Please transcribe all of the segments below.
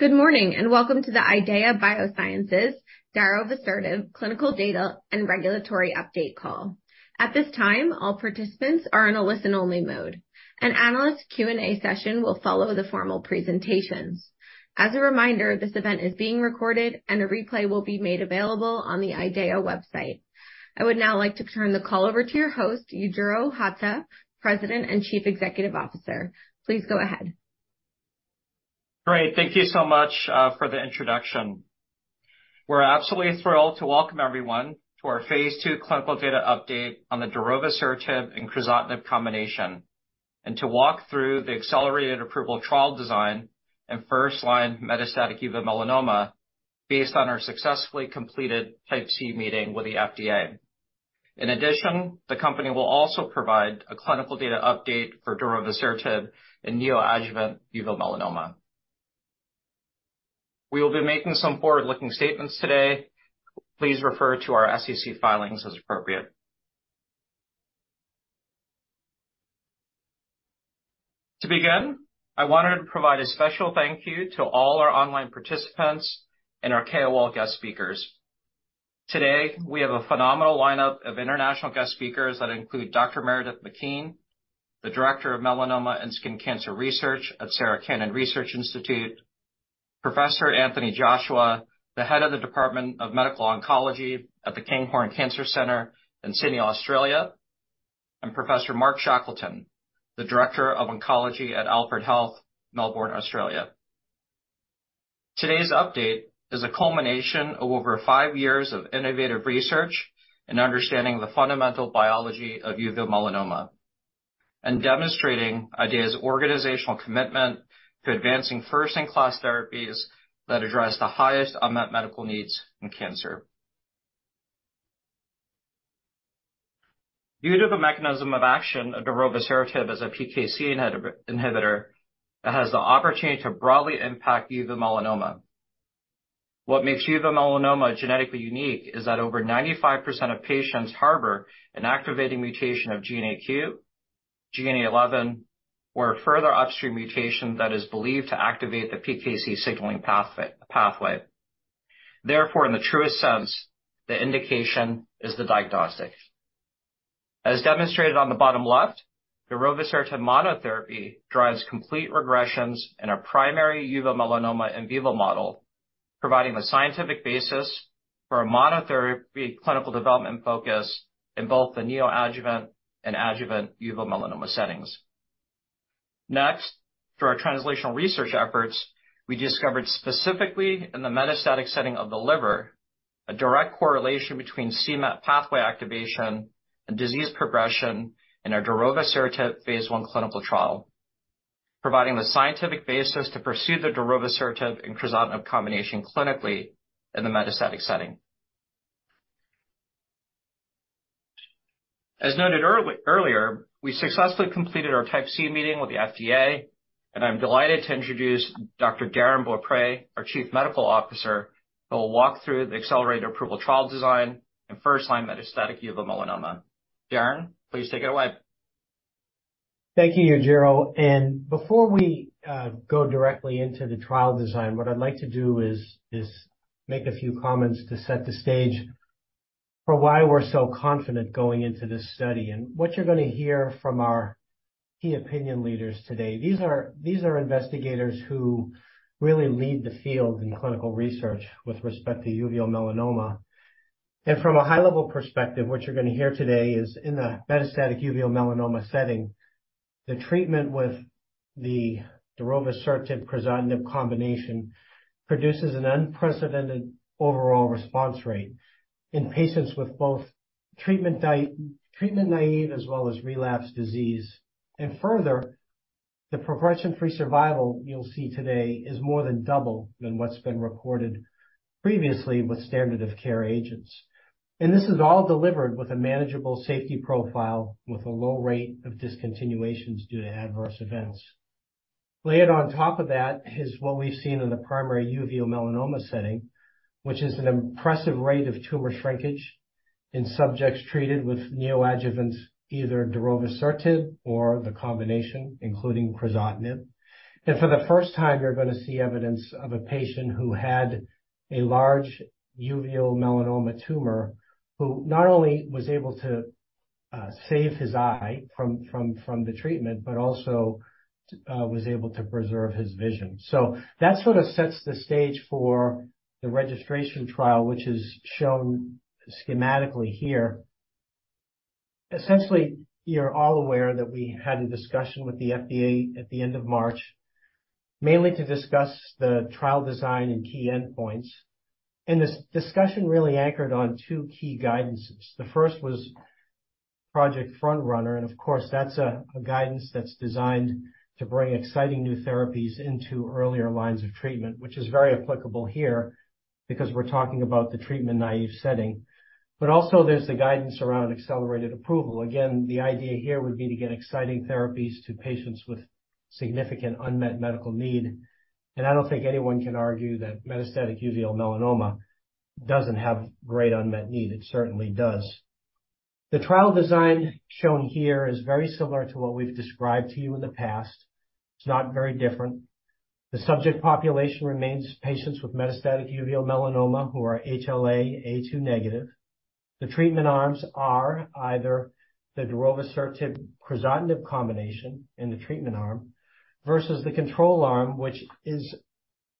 Good morning, welcome to the IDEAYA Biosciences Darovosertib clinical data and regulatory update call. At this time, all participants are in a listen-only mode. An Analyst Q&A session will follow the formal presentations. As a reminder, this event is being recorded, a replay will be made available on the IDEAYA website. I would now like to turn the call over to your host, Yujiro Hata, President and Chief Executive Officer. Please go ahead. Great. Thank you so much for the introduction. We're absolutely thrilled to welcome everyone to our phase ll clinical data update on the Darovasertib and Crizotinib combination and to walk through the Accelerated Approval trial design in first-line metastatic uveal melanoma based on our successfully completed Type C meeting with the FDA. The company will also provide a clinical data update for Darovasertib in neoadjuvant uveal melanoma. We will be making some forward-looking statements today. Please refer to our SEC filings as appropriate. To begin, I wanted to provide a special thank you to all our online participants and our KOL guest speakers. Today, we have a phenomenal lineup of international guest speakers that include Dr. Meredith McKean, the Director of Melanoma and Skin Cancer Research at Sarah Cannon Research Institute, Professor Anthony Joshua, the Head of the Department of Medical Oncology at The Kinghorn Cancer Centre in Sydney, Australia, and Professor Mark Shackleton, the Director of Oncology at Alfred Health, Melbourne, Australia. Today's update is a culmination of over 5 years of innovative research in understanding the fundamental biology of uveal melanoma and demonstrating IDEAYA's organizational commitment to advancing first-in-class therapies that address the highest unmet medical needs in cancer. Due to the mechanism of action of Darovasertib as a PKC inhibitor, it has the opportunity to broadly impact uveal melanoma. What makes uveal melanoma genetically unique is that over 95% of patients harbor an activating mutation of GNAQ, GNA11, or a further upstream mutation that is believed to activate the PKC signaling pathway. Therefore, in the truest sense, the indication is the diagnostic. As demonstrated on the bottom left, Darovasertib monotherapy drives complete regressions in a primary uveal melanoma in vivo model, providing the scientific basis for a monotherapy clinical development focus in both the neoadjuvant and adjuvant uveal melanoma settings. Through our translational research efforts, we discovered specifically in the metastatic setting of the liver, a direct correlation between MAPK pathway activation and disease progression in our Darovasertib phase 1 clinical trial, providing the scientific basis to pursue the Darovasertib and Crizotinib combination clinically in the metastatic setting. As noted earlier, we successfully completed our Type C meeting with the FDA. I'm delighted to introduce Dr. Daren Beaupre, our Chief Medical Officer, who will walk through the Accelerated Approval trial design in first-line metastatic uveal melanoma. Daren, please take it away. Thank you, Yujiro. Before we go directly into the trial design, what I'd like to do is make a few comments to set the stage for why we're so confident going into this study and what you're going to hear from our key opinion leaders today. These are investigators who really lead the field in clinical research with respect to uveal melanoma. From a high level perspective, what you're going to hear today is in the metastatic uveal melanoma setting, the treatment with the Darovasertib/Crizotinib combination produces an unprecedented overall response rate in patients with both treatment naive as well as relapse disease. Further, the progression-free survival you'll see today is more than double than what's been recorded previously with standard of care agents. This is all delivered with a manageable safety profile with a low rate of discontinuations due to adverse events. Layered on top of that is what we've seen in the primary uveal melanoma setting, which is an impressive rate of tumor shrinkage in subjects treated with neoadjuvant, either Darovasertib or the combination, including Crizotinib. For the first time, you're gonna see evidence of a patient who had a large uveal melanoma tumor, who not only was able to save his eye from the treatment, but also was able to preserve his vision. That sort of sets the stage for the registration trial, which is shown schematically here. Essentially, you're all aware that we had a discussion with the FDA at the end of March, mainly to discuss the trial design and key endpoints. This discussion really anchored on two key guidances. The first was Project FrontRunner. Of course, that's a guidance that's designed to bring exciting new therapies into earlier lines of treatment, which is very applicable here because we're talking about the treatment-naive setting. Also, there's the guidance around Accelerated Approval. Again, the idea here would be to get exciting therapies to patients with significant unmet medical need. I don't think anyone can argue that metastatic uveal melanoma doesn't have great unmet need. It certainly does. The trial design shown here is very similar to what we've described to you in the past. It's not very different. The subject population remains patients with metastatic uveal melanoma who are HLA-A2 negative. The treatment arms are either the Darovasertib Crizotinib combination in the treatment arm versus the control arm, which is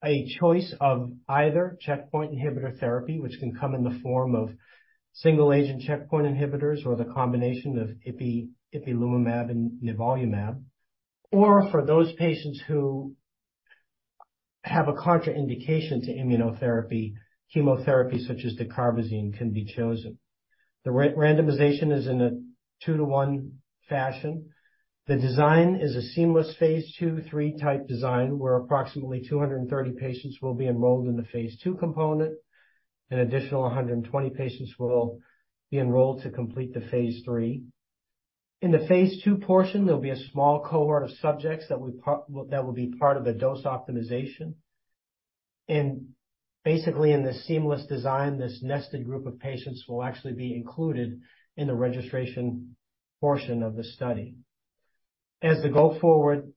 a choice of either checkpoint inhibitor therapy, which can come in the form of single agent checkpoint inhibitors or the combination of ipilimumab and nivolumab. For those patients who have a contraindication to immunotherapy, chemotherapy, such as dacarbazine, can be chosen. The randomization is in a two to one fashion. The design is a seamless phase ll/lll type design, where approximately 230 patients will be enrolled in the phase ll component. Additional 120 patients will be enrolled to complete the phase lll. In the phase ll portion, there'll be a small cohort of subjects that will be part of the dose optimization. Basically, in this seamless design, this nested group of patients will actually be included in the registration portion of the study. As the go-forward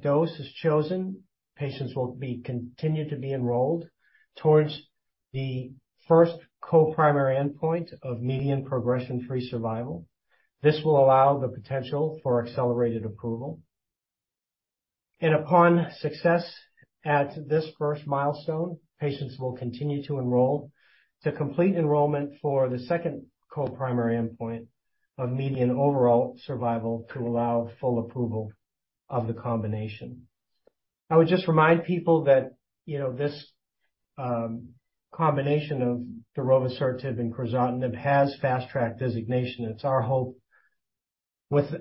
dose is chosen, patients will be continued to be enrolled towards the first co-primary endpoint of median progression-free survival. This will allow the potential for Accelerated Approval. Upon success at this first milestone, patients will continue to enroll to complete enrollment for the second co-primary endpoint of median overall survival to allow full approval of the combination. I would just remind people that, you know, this combination of Darovasertib and Crizotinib has Fast Track designation. It's our hope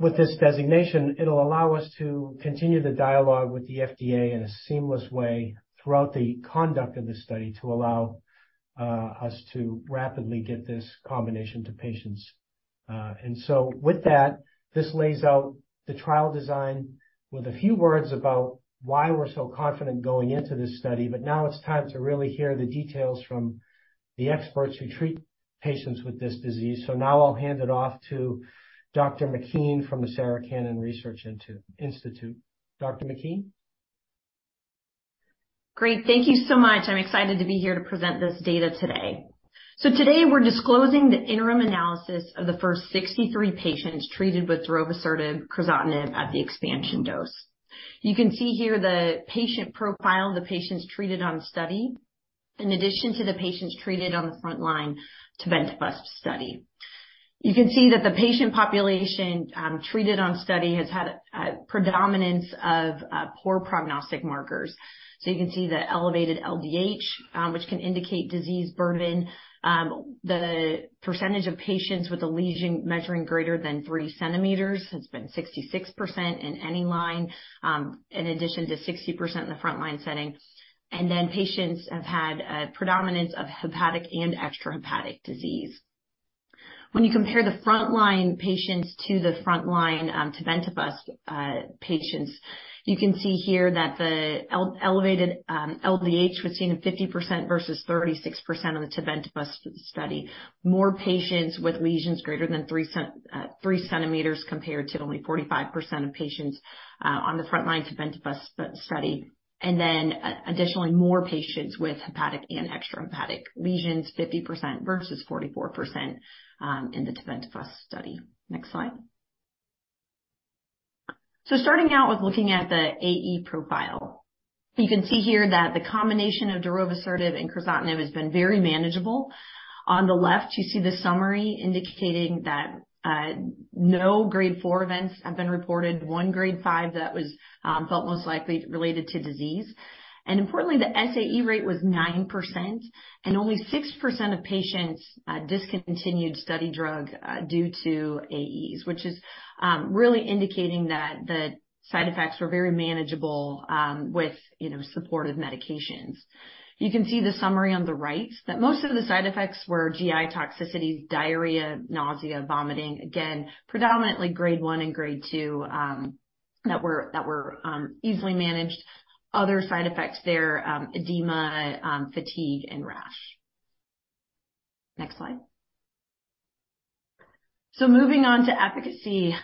with this designation it'll allow us to continue the dialogue with the FDA in a seamless way throughout the conduct of this study to allow us to rapidly get this combination to patients. With that, this lays out the trial design with a few words about why we're so confident going into this study. Now it's time to really hear the details from the experts who treat patients with this disease. Now I'll hand it off to Dr. McKean from the Sarah Cannon Research Institute. Dr. McKean. Great. Thank you so much. I'm excited to be here to present this data today. Today we're disclosing the Interim Analysis of the first 63 patients treated with Darovasertib Crizotinib at the expansion dose. You can see here the patient profile, the patients treated on study, in addition to the patients treated on the frontline Tebentafusp study. You can see that the patient population treated on study has had a predominance of poor prognostic markers. You can see the elevated LDH, which can indicate disease burden. The percentage of patients with a lesion measuring greater than three centimeters has been 66% in any line, in addition to 60% in the frontline setting. Patients have had a predominance of hepatic and extrahepatic disease. When you compare the frontline patients to the frontline Tebentafusp patients, you can see here that the elevated LDH was seen in 50% vs. 36% on the Tebentafusp study. More patients with lesions greater than three centimeters compared to only 45% of patients on the frontline Tebentafusp study. Additionally, more patients with hepatic and extrahepatic lesions, 50% versus 44%, in the Tebentafusp study. Next slide. Starting out with looking at the AE profile. You can see here that the combination of Darovasertib and Crizotinib has been very manageable. On the left, you see the summary indicating that no grade four events have been reported. One grade five that was felt most likely related to disease. Importantly, the SAE rate was 9% and only 6% of patients discontinued study drug due to AEs, which is really indicating that the side effects were very manageable, with, you know, supportive medications. You can see the summary on the right that most of the side effects were GI toxicities, diarrhea, nausea, vomiting. Again, predominantly grade one and grade two that were easily managed. Other side effects there, edema, fatigue and rash. Next slide. Moving on to efficacy.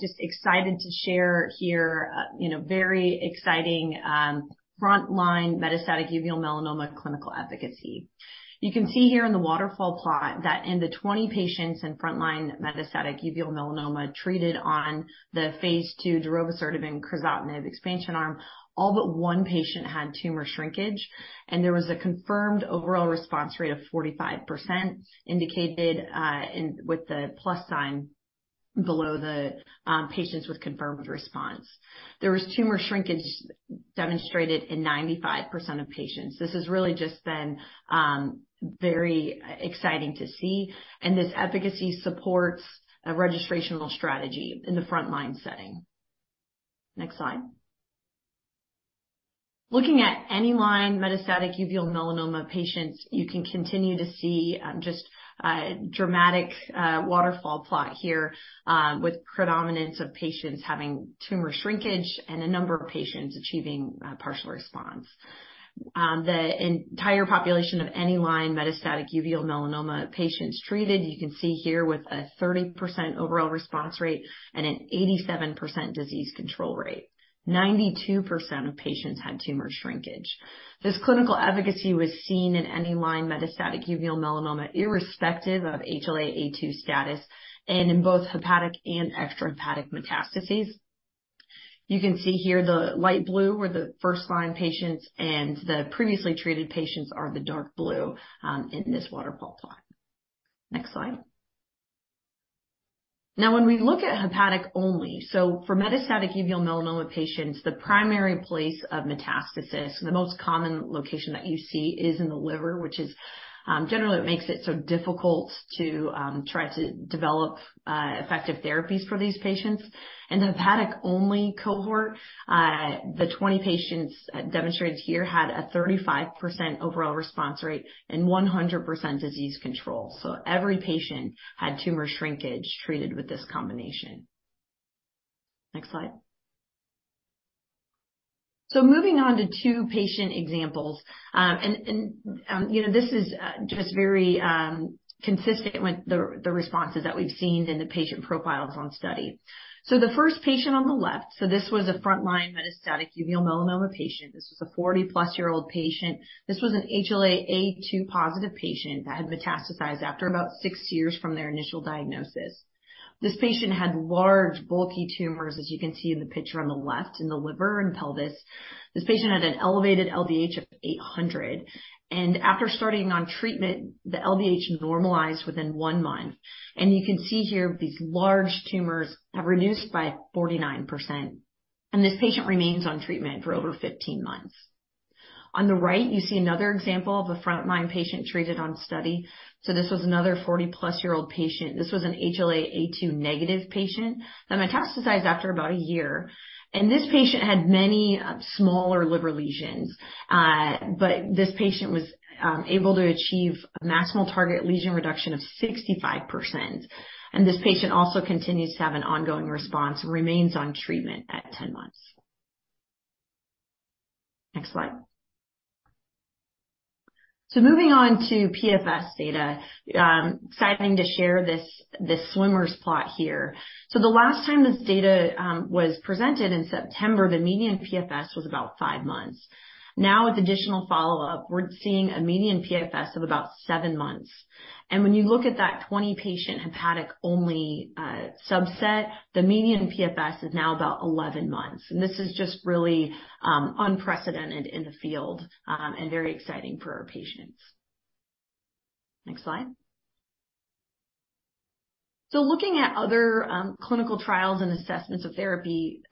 Just excited to share here, you know, very exciting frontline metastatic uveal melanoma clinical efficacy. You can see here in the waterfall plot that in the 20 patients in frontline metastatic uveal melanoma treated on the phase ll Darovasertib and Crizotinib expansion arm, all but one patient had tumor shrinkage. There was a confirmed overall response rate of 45% indicated with the plus sign below the patients with confirmed response. There was tumor shrinkage demonstrated in 95% of patients. This has really just been very exciting to see. This efficacy supports a registrational strategy in the frontline setting. Next slide. Looking at any line metastatic uveal melanoma patients, you can continue to see just a dramatic waterfall plot here with predominance of patients having tumor shrinkage and a number of patients achieving partial response. The entire population of any line metastatic uveal melanoma patients treated, you can see here with a 30% overall response rate and an 87% disease control rate. 92% of patients had tumor shrinkage. This clinical efficacy was seen in any line metastatic uveal melanoma irrespective of HLA-A*02 status and in both hepatic and extrahepatic metastases. You can see here the light blue were the first line patients and the previously treated patients are the dark blue in this waterfall plot. Next slide. When we look at hepatic only. For metastatic uveal melanoma patients, the primary place of metastasis, the most common location that you see is in the liver, which is generally it makes it so difficult to try to develop effective therapies for these patients. In the hepatic-only cohort, the 20 patients demonstrated here had a 35% overall response rate and 100% disease control. Every patient had tumor shrinkage treated with this combination. Next slide. Moving on to two patient examples. You know, this is just very consistent with the responses that we've seen in the patient profiles on study. The first patient on the left, this was a frontline metastatic uveal melanoma patient. This was a 40-plus-year-old patient. This was an HLA-A*02 positive patient that had metastasized after about 6 years from their initial diagnosis. This patient had large bulky tumors, as you can see in the picture on the left, in the liver and pelvis. This patient had an elevated LDH of 800, and after starting on treatment, the LDH normalized within 1 month. You can see here, these large tumors have reduced by 49%. This patient remains on treatment for over 15 months. On the right, you see another example of a frontline patient treated on study. This was another 40+ year-old patient. This was an HLA-A*02 negative patient that metastasized after about a year. This patient had many smaller liver lesions. This patient was able to achieve a maximal target lesion reduction of 65%. This patient also continues to have an ongoing response and remains on treatment at 10 months. Next slide. Moving on to PFS data. Exciting to share this swimmer plot here. The last time this data was presented in September, the median PFS was about five months. Now, with additional follow-up, we're seeing a median PFS of about seven months. When you look at that 20-patient hepatic-only subset, the median PFS is now about 11 months. This is just really unprecedented in the field and very exciting for our patients. Next slide. Looking at other clinical trials and assessments of therapy,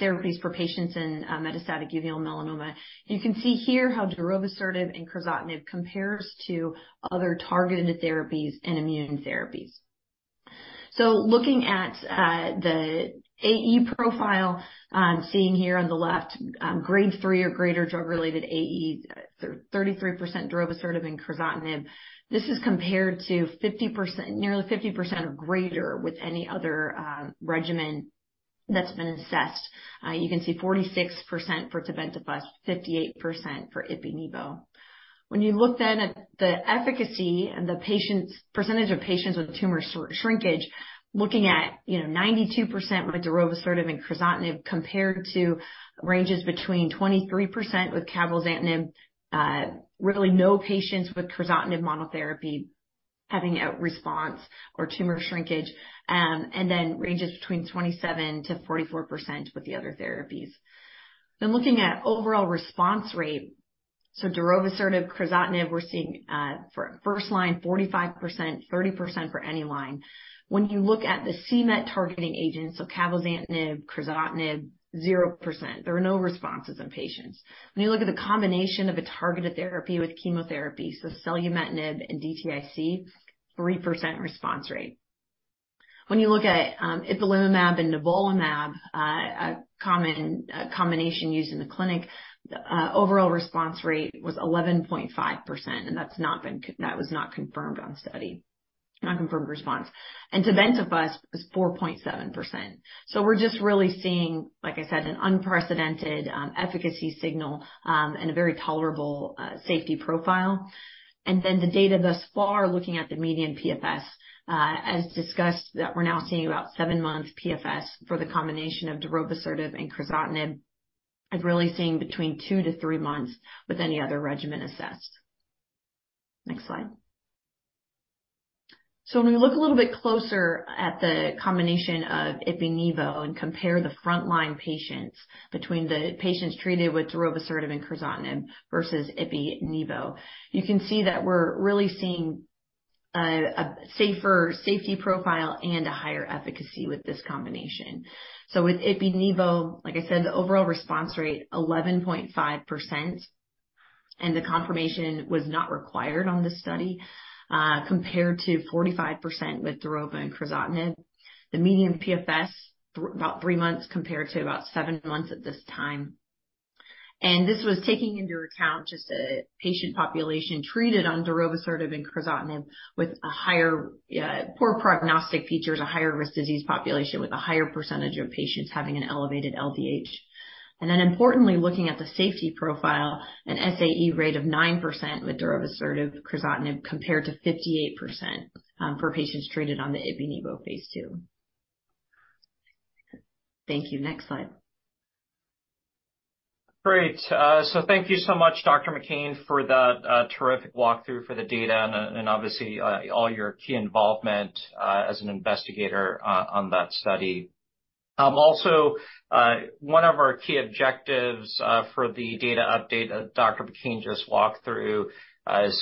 therapies for patients in metastatic uveal melanoma, you can see here how Darovasertib and Crizotinib compares to other targeted therapies and immune therapies. Looking at the AE profile, seeing here on the left, grade three or greater drug-related AEs, 33% Darovasertib and Crizotinib. This is compared to nearly 50% or greater with any other regimen that's been assessed. You can see 46% for Tebentafusp, 58% for Ipi-Nivo. When you look then at the efficacy and the percentage of patients with tumor shrinkage, looking at, you know, 92% with Darovasertib and Crizotinib compared to ranges between 23% with Cabozantinib. Really no patients with Crizotinib monotherapy having a response or tumor shrinkage, and then ranges between 27%-44% with the other therapies. Looking at overall response rate. Darovasertib, Crizotinib, we're seeing for first line, 45%, 30% for any line. When you look at the c-Met targeting agents, so Cabozantinib, Crizotinib, 0%. There are no responses in patients. When you look at the combination of a targeted therapy with Chemotherapy, so Selumetinib and DTIC, 3% response rate. When you look at Ipilimumab and Nivolumab, a common combination used in the clinic, the overall response rate was 11.5%, and that was not confirmed on study, non-confirmed response. Tebentafusp was 4.7%. We're just really seeing, like I said, an unprecedented efficacy signal and a very tolerable safety profile. The data thus far looking at the median PFS, as discussed that we're now seeing about 7-month PFS for the combination of Darovasertib and Crizotinib. Really seeing between two to three months with any other regimen assessed. Next slide. When we look a little bit closer at the combination of ipi-nivo and compare the frontline patients between the patients treated with Darovasertib and Crizotinib versus ipi-nivo, you can see that we're really seeing a safer safety profile and a higher efficacy with this combination. With ipi-nivo, like I said, the overall response rate 11.5%. The confirmation was not required on this study, compared to 45% with Darovasertib and Crizotinib. The median PFS, about three months compared to about seven months at this time. This was taking into account just a patient population treated on Darovasertib and Crizotinib with a higher poor prognostic features, a higher risk disease population with a higher % of patients having an elevated LDH. Importantly, looking at the safety profile, an SAE rate of 9% with Darovasertib/Crizotinib, compared to 58% for patients treated on the Ipi-Nivo phase ll. Thank you. Next slide. Great. Thank you so much, Dr. McKean, for that terrific walkthrough for the data and obviously, all your key involvement as an investigator on that study. Also, one of our key objectives for the data update that Dr. McKean just walked through, our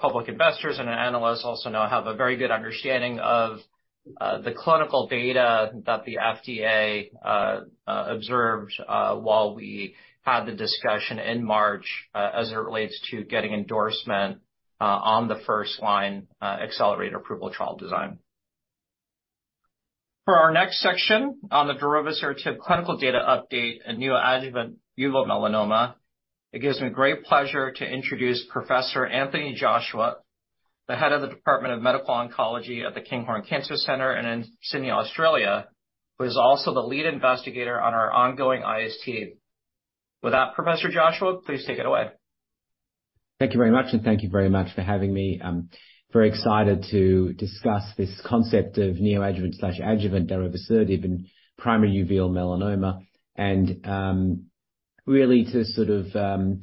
public investors and Analysts also now have a very good understanding of the clinical data that the FDA observed while we had the discussion in March as it relates to getting endorsement on the first line Accelerated Approval trial design. For our next section on the Darovasertib clinical data update and neoadjuvant uveal melanoma, it gives me great pleasure to introduce Professor Anthony Joshua, the Head of the Department of Medical Oncology at the Kinghorn Cancer Center in Sydney, Australia, who is also the lead investigator on our ongoing IST. With that, Professor Joshua, please take it away. Thank you very much. Thank you very much for having me. I'm very excited to discuss this concept of neoadjuvant/adjuvant Darovasertib in primary uveal melanoma and to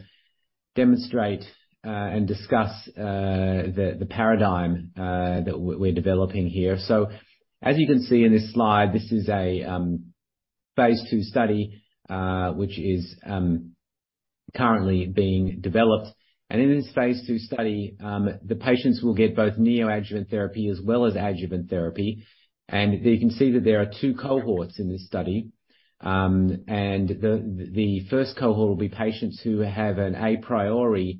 demonstrate and discuss the paradigm that we're developing here. As you can see in this slide, this is a phase ll study which is currently being developed. In this phase ll study, the patients will get both neoadjuvant therapy as well as adjuvant therapy. The first cohort will be patients who have an a priori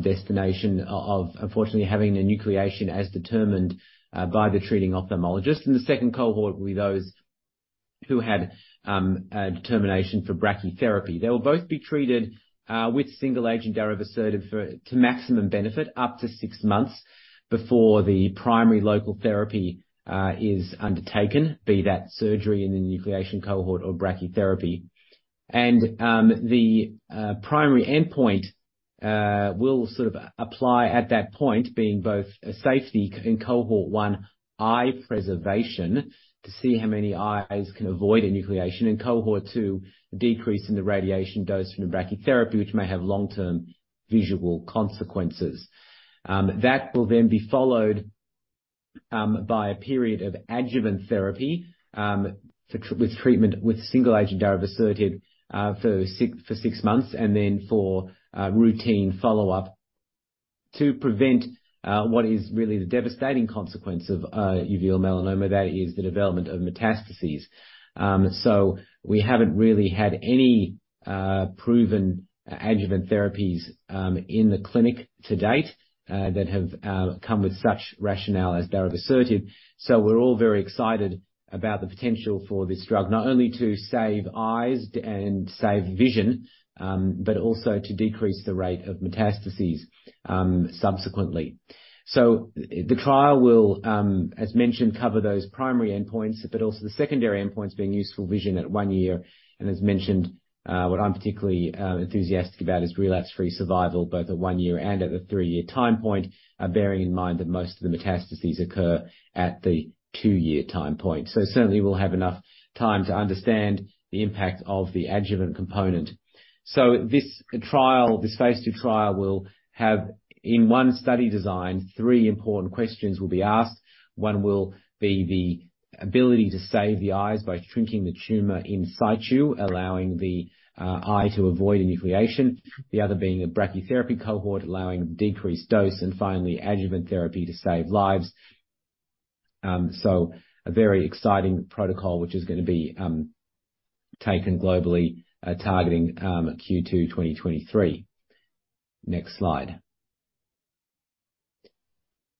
destination of unfortunately having a enucleation as determined by the treating ophthalmologist. The second cohort will be those who had a determination for brachytherapy. They will both be treated with single-agent Darovasertib for, to maximum benefit up to six months before the primary local therapy is undertaken, be that surgery in the enucleation cohort or brachytherapy. The primary endpoint will sort of apply at that point, being both a safety in cohort one, eye preservation, to see how many eyes can avoid enucleation. In cohort two, a decrease in the radiation dose from the brachytherapy, which may have long-term visual consequences. That will then be followed by a period of adjuvant therapy with treatment with single-agent Darovasertib for six months and then for routine follow-up to prevent what is really the devastating consequence of uveal melanoma, that is the development of metastases. We haven't really had any proven adjuvant therapies in the clinic to date that have come with such rationale as Darovasertib. We're all very excited about the potential for this drug, not only to save eyes and save vision, but also to decrease the rate of metastases subsequently. The trial will, as mentioned, cover those primary endpoints, but also the secondary endpoints being useful vision at 1 year. As mentioned, what I'm particularly enthusiastic about is relapse-free survival, both at 1 year and at a 3-year time point, bearing in mind that most of the metastases occur at the 2-year time point. Certainly we'll have enough time to understand the impact of the adjuvant component. This trial, this phase ll trial, will have, in one study design, three important questions will be asked. One will be the ability to save the eyes by shrinking the tumor in situ, allowing the eye to avoid enucleation. The other being a brachytherapy cohort, allowing decreased dose and finally adjuvant therapy to save lives. A very exciting protocol, which is gonna be taken globally, targeting Q2 2023. Next slide.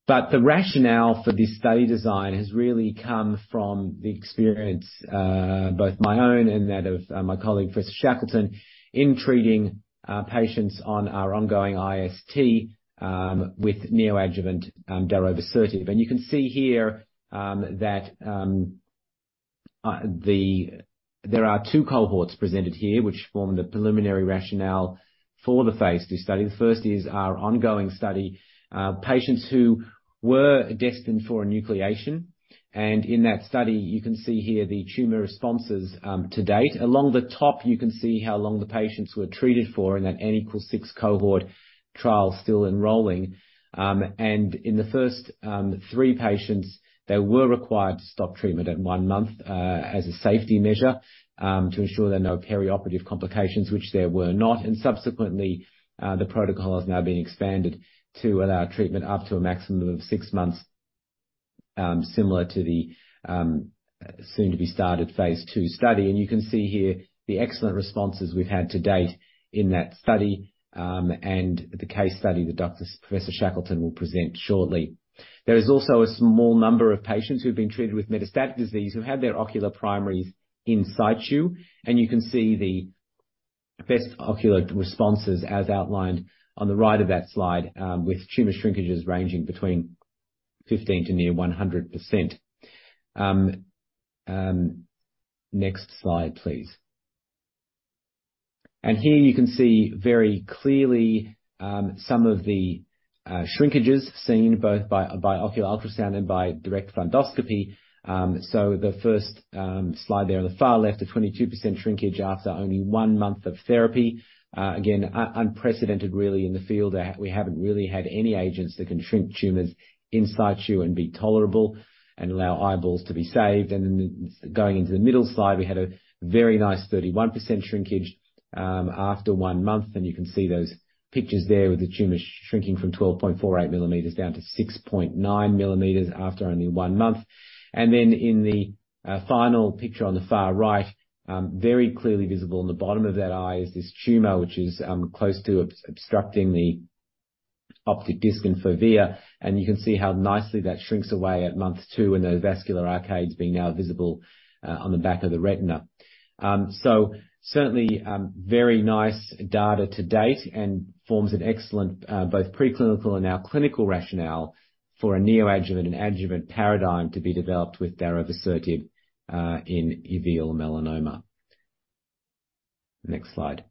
The rationale for this study design has really come from the experience, both my own and that of my colleague, Professor Shackleton, in treating patients on our ongoing IST with neoadjuvant Darovasertib. You can see here that there are two cohorts presented here which form the preliminary rationale for the phase ll study. The first is our ongoing study, patients who were destined for enucleation. In that study, you can see here the tumor responses to date. Along the top, you can see how long the patients were treated for in that N equals 6 cohort trial still enrolling. In the first, three patients, they were required to stop treatment at 1 month as a safety measure to ensure there are no perioperative complications, which there were not. Subsequently, the protocol has now been expanded to allow treatment up to a maximum of 6 months. Similar to the soon to be started phase ll study. You can see here the excellent responses we've had to date in that study, and the case study that Professor Shackleton will present shortly. There is also a small number of patients who've been treated with metastatic disease, who've had their ocular primaries in situ, and you can see the best ocular responses as outlined on the right of that slide, with tumor shrinkages ranging between 15 to near 100%. Next slide, please. Here you can see very clearly, some of the shrinkages seen both by ocular ultrasound and by direct fundoscopy. The first slide there on the far left, a 22% shrinkage after only 1 month of therapy. Again, unprecedented really in the field. We haven't really had any agents that can shrink tumors in situ and be tolerable and allow eyeballs to be saved. Going into the middle slide, we had a very nice 31% shrinkage, after 1 month. You can see those pictures there with the tumor shrinking from 12.48 mm down to 6.9 mm after only one month. In the final picture on the far right, very clearly visible in the bottom of that eye is this tumor, which is close to obstructing the optic disc and fovea. You can see how nicely that shrinks away at month 2, and those vascular arcades being now visible on the back of the retina. Certainly, very nice data to date and forms an excellent both preclinical and now clinical rationale for a neoadjuvant and adjuvant paradigm to be developed with Darovasertib in uveal melanoma. Next slide.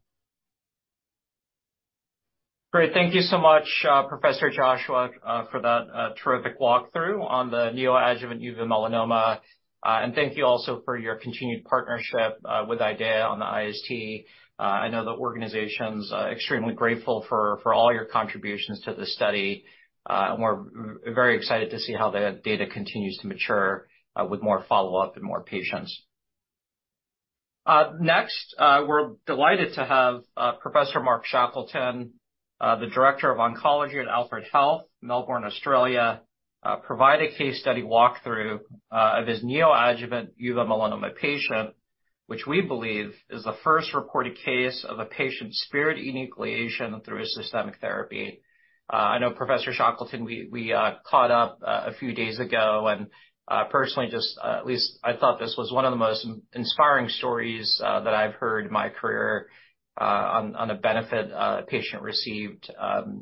Great. Thank you so much, Professor Joshua, for that terrific walk through on the neoadjuvant uveal melanoma. Thank you also for your continued partnership with IDEAYA on the IST. I know the organization's extremely grateful for all your contributions to this study, and we're very excited to see how the data continues to mature with more follow-up and more patients. Next, we're delighted to have Professor Mark Shackleton, the director of oncology at Alfred Health, Melbourne, Australia, provide a case study walk through of his neoadjuvant uveal melanoma patient, which we believe is the first reported case of a patient spared enucleation through a systemic therapy. I know Professor Shackleton, we caught up a few days ago. Personally just at least I thought this was one of the most inspiring stories that I've heard in my career on a benefit a patient received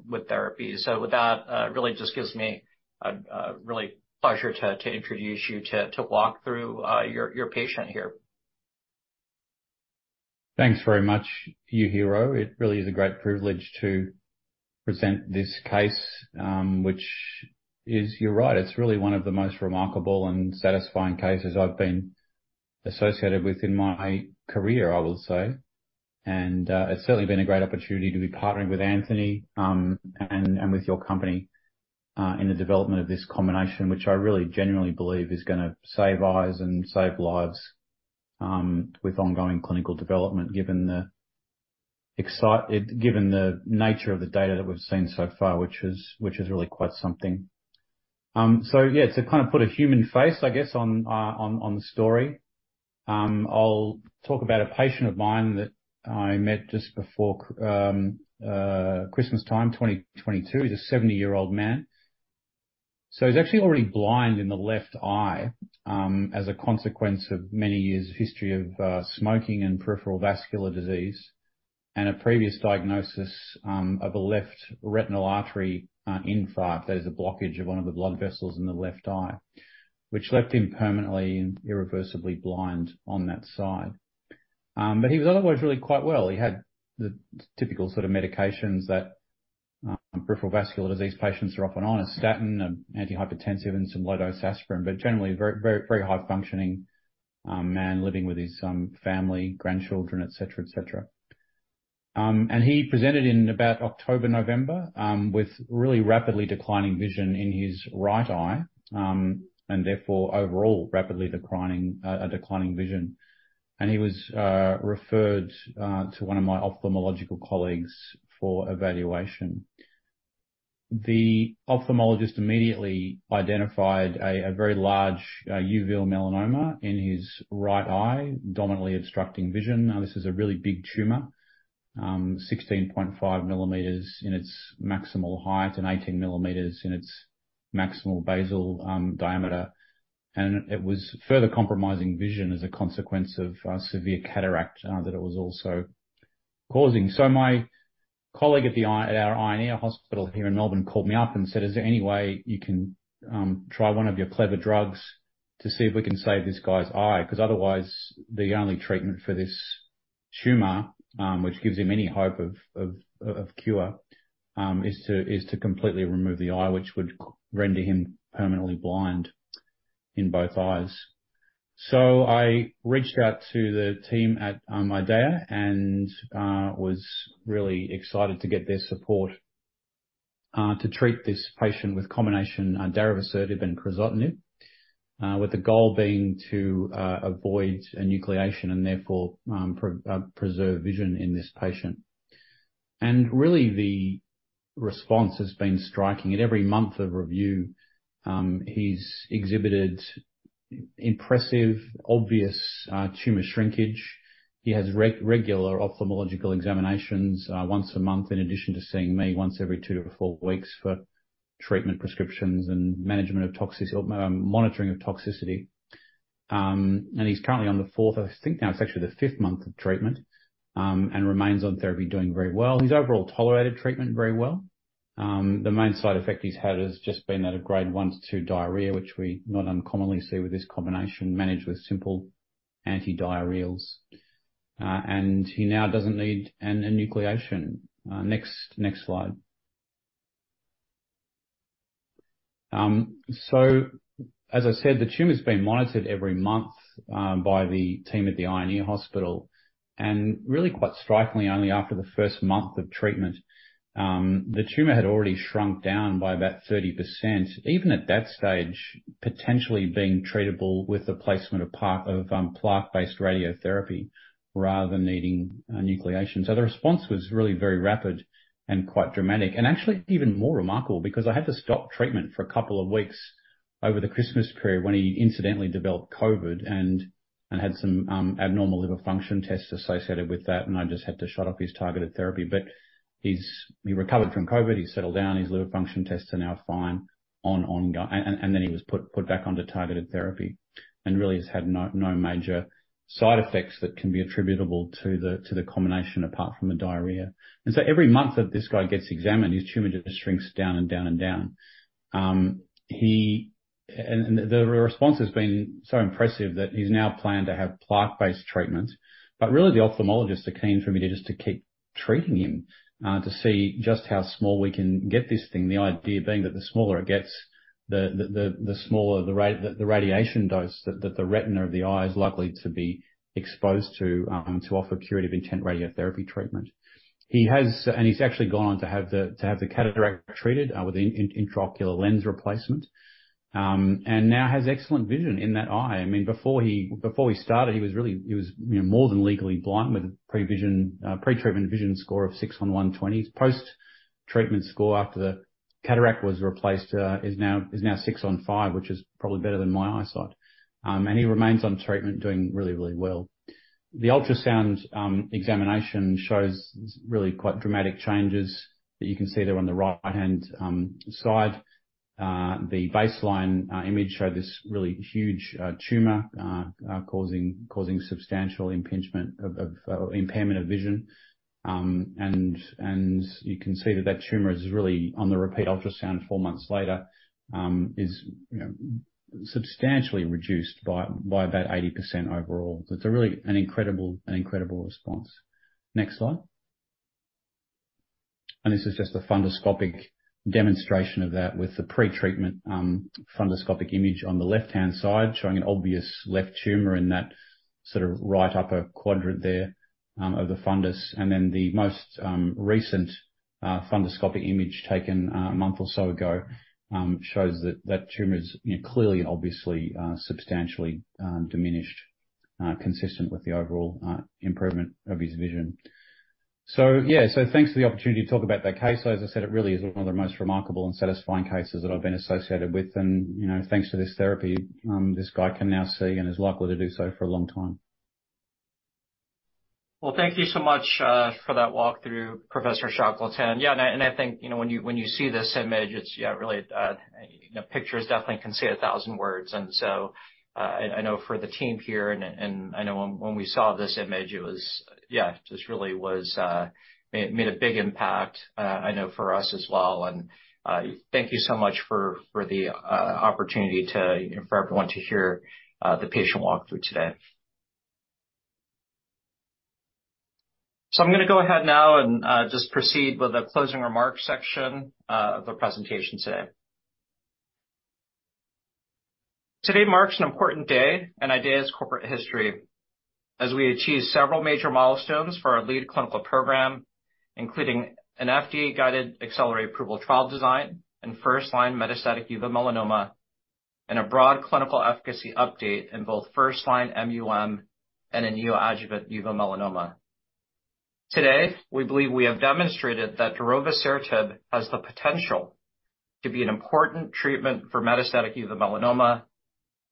with therapy. With that, it really just gives me a really pleasure to introduce you to walk through your patient here. Thanks very much, Yujiro. It really is a great privilege to present this case, which is, you're right, it's really one of the most remarkable and satisfying cases I've been associated with in my career, I will say. It's certainly been a great opportunity to be partnering with Anthony, and with your company, in the development of this combination, which I really genuinely believe is gonna save eyes and save lives, with ongoing clinical development, given the nature of the data that we've seen so far, which is really quite something. To kind of put a human face, I guess, on the story, I'll talk about a patient of mine that I met just before Christmas time 2022. He's a 70-year-old man. He's actually already blind in the left eye, as a consequence of many years of history of smoking and peripheral vascular disease, and a previous diagnosis of a left retinal artery infarct. That is a blockage of one of the blood vessels in the left eye, which left him permanently and irreversibly blind on that side. He was otherwise really quite well. He had the typical sort of medications that peripheral vascular disease patients are often on, a statin, an antihypertensive, and some low-dose aspirin, but generally a very, very high functioning man living with his family, grandchildren, et cetera, et cetera. He presented in about October, November, with really rapidly declining vision in his right eye, and therefore overall rapidly declining vision. He was referred to one of my ophthalmological colleagues for evaluation. The ophthalmologist immediately identified a very large uveal melanoma in his right eye, dominantly obstructing vision. This is a really big tumor, 16.5 millimeters in its maximal height and 18 millimeters in its maximal basal diameter. It was further compromising vision as a consequence of severe cataract that it was also causing. My colleague at our eye and ear hospital here in Melbourne called me up and said, "Is there any way you can try one of your clever drugs to see if we can save this guy's eye? Otherwise the only treatment for this tumor, which gives him any hope of cure, is to completely remove the eye, which would render him permanently blind in both eyes. I reached out to the team at IDEAYA and was really excited to get their support to treat this patient with combination Darovasertib and Crizotinib. With the goal being to avoid enucleation and therefore preserve vision in this patient. Really the response has been striking. At every month of review, he's exhibited impressive, obvious tumor shrinkage. He has regular ophthalmological examinations once a month, in addition to seeing me once every two to four weeks for treatment prescriptions and management of monitoring of toxicity. He's currently on the fourth, I think now it's actually the fifth month of treatment, and remains on therapy, doing very well. He's overall tolerated treatment very well. The main side effect he's had has just been at a grade one to two diarrhea, which we not uncommonly see with this combination, managed with simple antidiarrheals. He now doesn't need an enucleation. Next slide. As I said, the tumor's been monitored every month, by the team at the Eye and Ear Hospital, and really quite strikingly, only after the first month of treatment, the tumor had already shrunk down by about 30%. Even at that stage, potentially being treatable with the placement of plaque-based radiotherapy rather than needing enucleation. The response was really very rapid and quite dramatic and actually even more remarkable because I had to stop treatment for a couple of weeks over the Christmas period when he incidentally developed COVID and had some abnormal liver function tests associated with that. I just had to shut off his targeted therapy. He recovered from COVID. He's settled down. His liver function tests are now fine. Then he was put back onto targeted therapy and really has had no major side effects that can be attributable to the combination apart from the diarrhea. Every month that this guy gets examined, his tumor just shrinks down and down and down. The response has been so impressive that he's now planned to have plaque-based treatment. Really the ophthalmologists are keen for me to just to keep treating him, to see just how small we can get this thing. The idea being that the smaller it gets, the smaller the radiation dose that the retina of the eye is likely to be exposed to offer curative intent radiotherapy treatment. He's actually gone on to have the cataract treated, with an intraocular lens replacement, and now has excellent vision in that eye. I mean, before he, before we started, he was really, he was, you know, more than legally blind with pretreatment vision score of six on 120. His post-treatment score after the cataract was replaced, is now six on five, which is probably better than my eyesight. He remains on treatment doing really well. The ultrasound examination shows really quite dramatic changes that you can see there on the right-hand side. The baseline image showed this really huge tumor causing substantial impingement of impairment of vision. You can see that that tumor is really on the repeat ultrasound 4 months later, you know, substantially reduced by about 80% overall. It's a really an incredible response. Next slide. This is just a funduscopic demonstration of that with the pretreatment funduscopic image on the left-hand side showing an obvious left tumor in that sort of right upper quadrant there of the fundus. The most recent funduscopic image taken a month or so ago shows that that tumor is, you know, clearly and obviously substantially diminished, consistent with the overall improvement of his vision. Yeah. Thanks for the opportunity to talk about that case. As I said, it really is one of the most remarkable and satisfying cases that I've been associated with. You know, thanks to this therapy, this guy can now see and is likely to do so for a long time. Well, thank you so much for that walkthrough, Professor Shackleton. Yeah, I think, you know, when you, when you see this image, it's yeah, really, you know, pictures definitely can say a thousand words. I know for the team here, and I know when we saw this image it was yeah, just really was made a big impact, I know for us as well. Thank you so much for the opportunity to, you know, for everyone to hear the patient walkthrough today. I'm gonna go ahead now and just proceed with the closing remarks section of the presentation today. Today marks an important day in IDEAYA's corporate history as we achieve several major milestones for our lead clinical program, including an FDA-guided Accelerated Approval trial design in first-line metastatic uveal melanoma and a broad clinical efficacy update in both first line MUM and in neoadjuvant uveal melanoma. Today, we believe we have demonstrated that Darovasertib has the potential to be an important treatment for metastatic uveal melanoma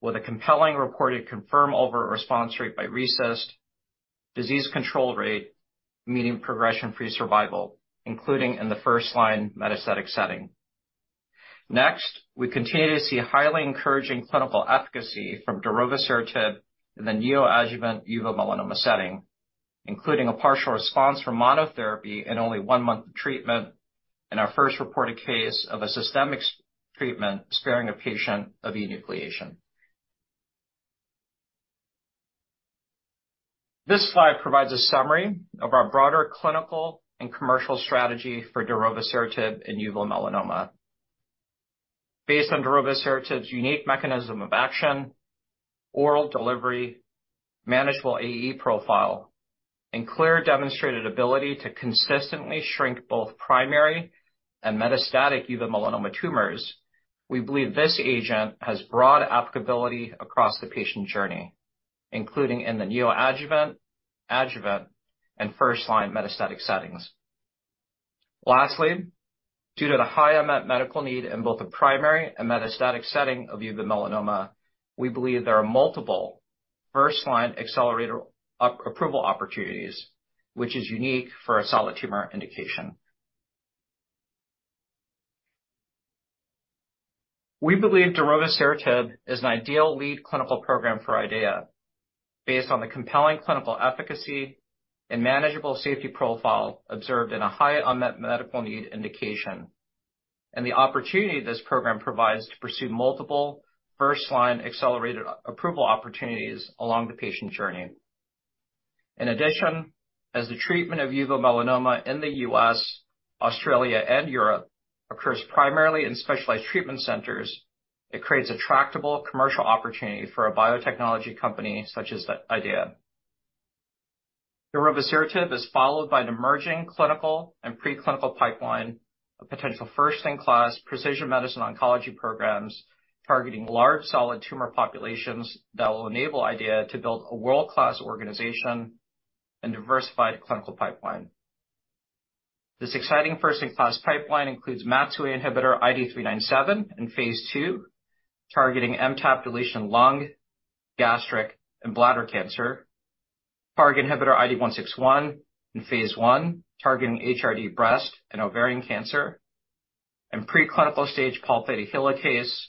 with a compelling reported confirmed overall response rate by RECIST, disease control rate, meaning progression-free survival, including in the first-line metastatic setting. We continue to see highly encouraging clinical efficacy from Darovasertib in the neoadjuvant uveal melanoma setting, including a partial response from monotherapy in only one month of treatment. In our first reported case of a systemic treatment sparing a patient of enucleation. This slide provides a summary of our broader clinical and commercial strategy for Darovasertib in uveal melanoma. Based on Darovasertib's unique mechanism of action, oral delivery, manageable AE profile, and clear demonstrated ability to consistently shrink both primary and metastatic uveal melanoma tumors. We believe this agent has broad applicability across the patient journey, including in the neoadjuvant, adjuvant, and first-line metastatic settings. Lastly, due to the high unmet medical need in both the primary and metastatic setting of uveal melanoma, we believe there are multiple first-line Accelerated Approval opportunities, which is unique for a solid tumor indication. We believe Darovasertib is an ideal lead clinical program for IDEAYA, based on the compelling clinical efficacy and manageable safety profile observed in a high unmet medical need indication, and the opportunity this program provides to pursue multiple first-line Accelerated Approval opportunities along the patient journey. In addition, as the treatment of uveal melanoma in the U.S., Australia, and Europe occurs primarily in specialized treatment centers, it creates a tractable commercial opportunity for a biotechnology company such as IDEAYA. Darovasertib is followed by an emerging clinical and pre-clinical pipeline of potential first-in-class precision medicine oncology programs targeting large solid tumor populations that will enable IDEAYA to build a world-class organization and diversified clinical pipeline. This exciting first-in-class pipeline includes MAT2A inhibitor IDE397 in phase ll, targeting MTAP deletion lung, gastric, and bladder cancer. PARP inhibitor IDE161 in phase 1, targeting HRD breast and ovarian cancer. Pre-clinical stage Pol-theta helicase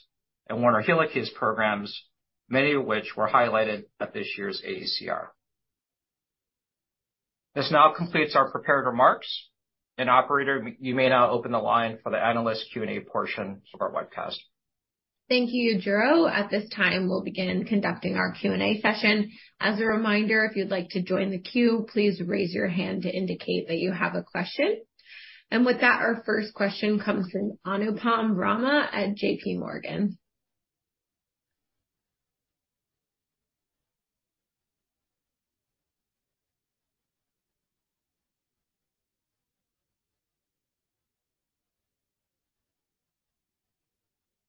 and Werner helicase programs, many of which were highlighted at this year's AACR. This now completes our prepared remarks. Operator, you may now open the line for the Analyst Q&A portion of our webcast. Thank you, Juro. At this time, we'll begin conducting our Q&A session. As a reminder, if you'd like to join the queue, please raise your hand to indicate that you have a question. With that, our first question comes from Anupam Rama at JPMorgan.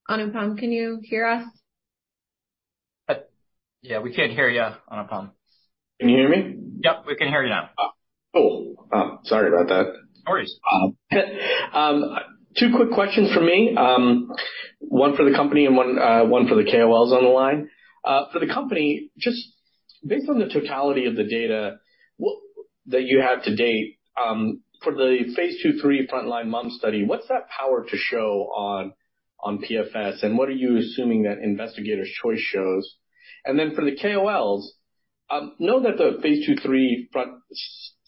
Anupam, can you hear us? Yeah, we can't hear you, Anupam. Can you hear me? Yep, we can hear you now. Oh. Sorry about that. No worries. Two quick questions from me. One for the company and one for the KOLs on the line. For the company, just based on the totality of the data that you have to date, for the phase ll/lll frontline MUM study, what's that power to show on PFS, and what are you assuming that investigators' choice shows? For the KOLs, know that phase ll/lll front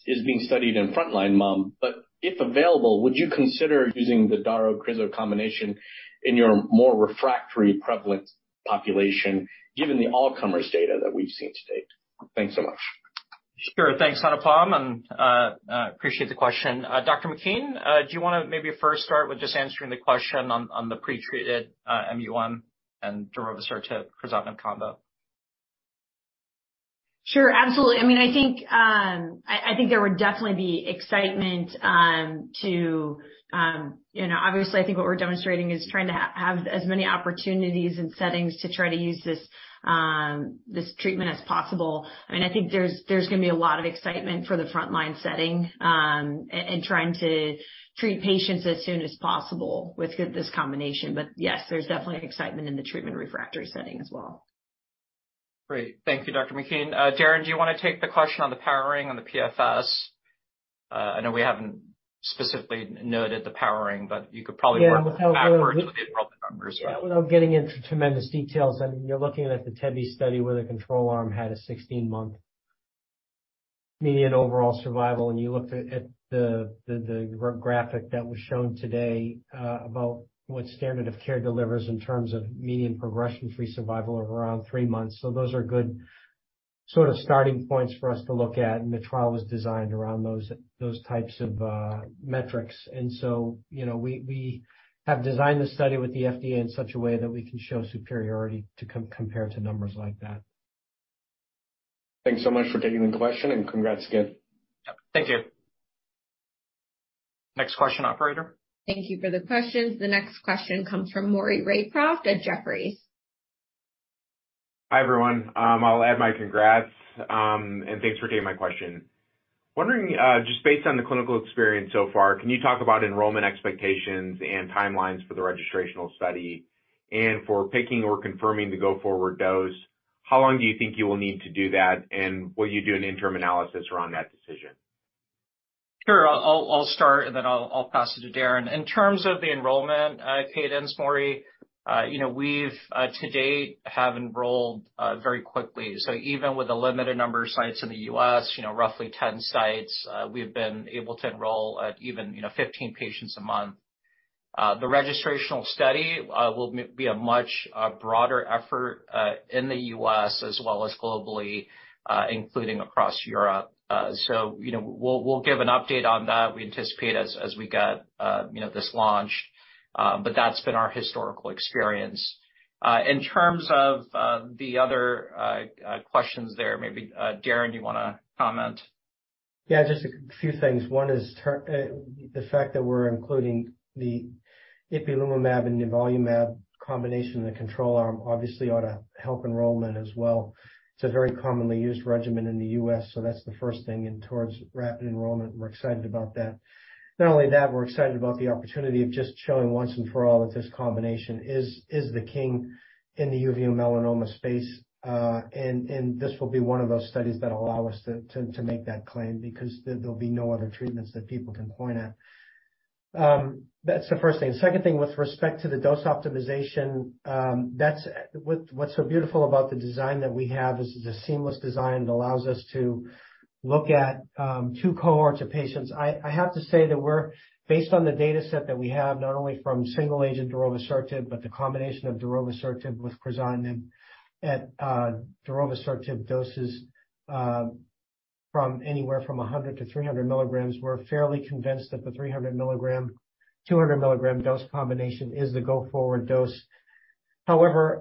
is being studied in frontline MUM, but if available, would you consider using the Daro criz combination in your more refractory prevalent population, given the all-comers data that we've seen to date? Thanks so much. Sure. Thanks, Anupam, and appreciate the question. Dr. McKean, do you wanna maybe first start with just answering the question on the pre-treated MUM and Darovasertib/Crizotinib combo? Sure, absolutely. I mean, I think, I think there would definitely be excitement to, you know, obviously, I think what we're demonstrating is trying to have as many opportunities and settings to try to use this treatment as possible. I mean, I think there's gonna be a lot of excitement for the frontline setting, and trying to treat patients as soon as possible with this combination. Yes, there's definitely excitement in the treatment-refractory setting as well. Great. Thank you, Dr. McKean. Daren, do you wanna take the question on the powering on the PFS? I know we haven't specifically noted the powering, but. Yeah. Work backwards to get all the numbers. Yeah. Without getting into tremendous details, I mean, you're looking at the Tevi study where the control arm had a 16-month median overall survival. You looked at the graphic that was shown today about what standard of care delivers in terms of median progression-free survival of around 3 months. Those are good sort of starting points for us to look at. The trial was designed around those types of metrics. You know, we have designed the study with the FDA in such a way that we can show superiority to compare to numbers like that. Thanks so much for taking the question, and congrats again. Yep, thank you. Next question, operator. Thank you for the questions. The next question comes from Maury Raycroft at Jefferies. Hi, everyone. I'll add my congrats, and thanks for taking my question. Wondering, just based on the clinical experience so far, can you talk about enrollment expectations and timelines for the registrational study? For picking or confirming the go-forward dose, how long do you think you will need to do that, and will you do an interim analysis around that decision? Sure. I'll start and then I'll pass it to Darren. In terms of the enrollment cadence, Maury, you know, we've to date, have enrolled very quickly. Even with a limited number of sites in the U.S., you know, roughly 10 sites, we've been able to enroll at even, you know, 15 patients a month. The registrational study will be a much broader effort in the U.S. as well as globally, including across Europe. You know, we'll give an update on that, we anticipate as we get, you know, this launch, that's been our historical experience. In terms of the other questions there, maybe Darren, do you wanna comment? Just a few things. One is the fact that we're including the ipilimumab and nivolumab combination in the control arm obviously ought to help enrollment as well. It's a very commonly used regimen in the U.S., so that's the first thing in towards rapid enrollment, and we're excited about that. Not only that, we're excited about the opportunity of just showing once and for all if this combination is the king in the UVM melanoma space. This will be one of those studies that allow us to make that claim because there'll be no other treatments that people can point at. That's the first thing. The second thing, with respect to the dose optimization, what's so beautiful about the design that we have is it's a seamless design that allows us to look at two cohorts of patients. I have to say that based on the dataset that we have, not only from single-agent Darovasertib, but the combination of Darovasertib with Crizotinib at Darovasertib doses from anywhere from 100-300 milligrams. We're fairly convinced that the 300 milligram, 200 milligram dose combination is the go forward dose.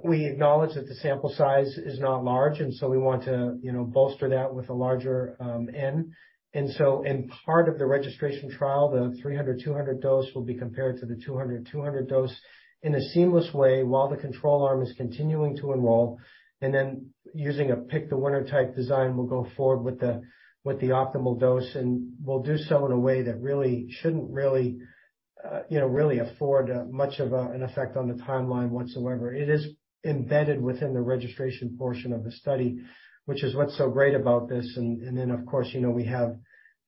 We acknowledge that the sample size is not large, we want to, you know, bolster that with a larger N. In part of the registration trial, the 300, 200 dose will be compared to the 200 dose in a seamless way while the control arm is continuing to enroll. Using a pick the winner type design, we'll go forward with the optimal dose, and we'll do so in a way that really shouldn't, you know, really afford much of an effect on the timeline whatsoever. It is embedded within the registration portion of the study, which is what's so great about this and then, of course, you know, we have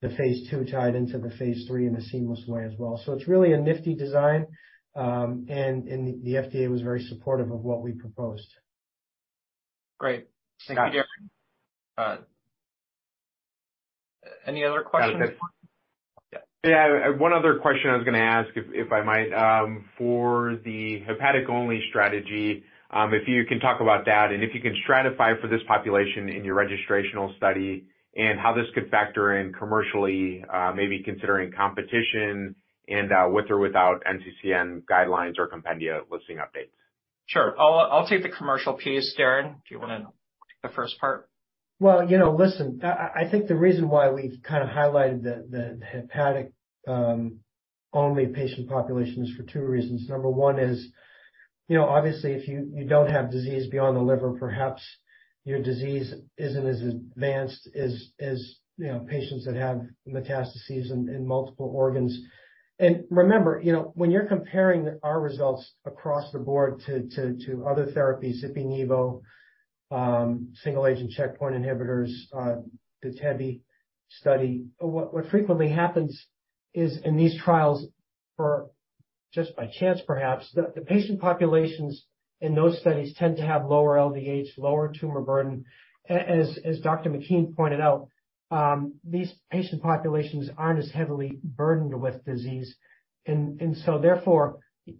the phase ll tied into the phase lll in a seamless way as well. It's really a nifty design, and the FDA was very supportive of what we proposed. Great. Thanks. Thank you, Darren. Any other questions? Got a quick one. Yeah. Yeah. One other question I was gonna ask if I might, for the hepatic-only strategy, if you can talk about that and if you can stratify for this population in your registrational study and how this could factor in commercially, maybe considering competition and, with or without NCCN guidelines or compendia listing updates. Sure. I'll take the commercial piece, Darren, if you wanna take the first part. Well, you know, listen, I think the reason why we kind of highlighted the hepatic only patient population is for two reasons. Number one is, you know, obviously if you don't have disease beyond the liver, perhaps your disease isn't as advanced as, you know, patients that have metastases in multiple organs. Remember, you know, when you're comparing our results across the board to other therapies, Ipi-Nivo, single agent checkpoint inhibitors, the TEBI study, what frequently happens is in these trials for just by chance perhaps, the patient populations in those studies tend to have lower LDH, lower tumor burden as Dr. McKean pointed out, these patient populations aren't as heavily burdened with disease and therefore,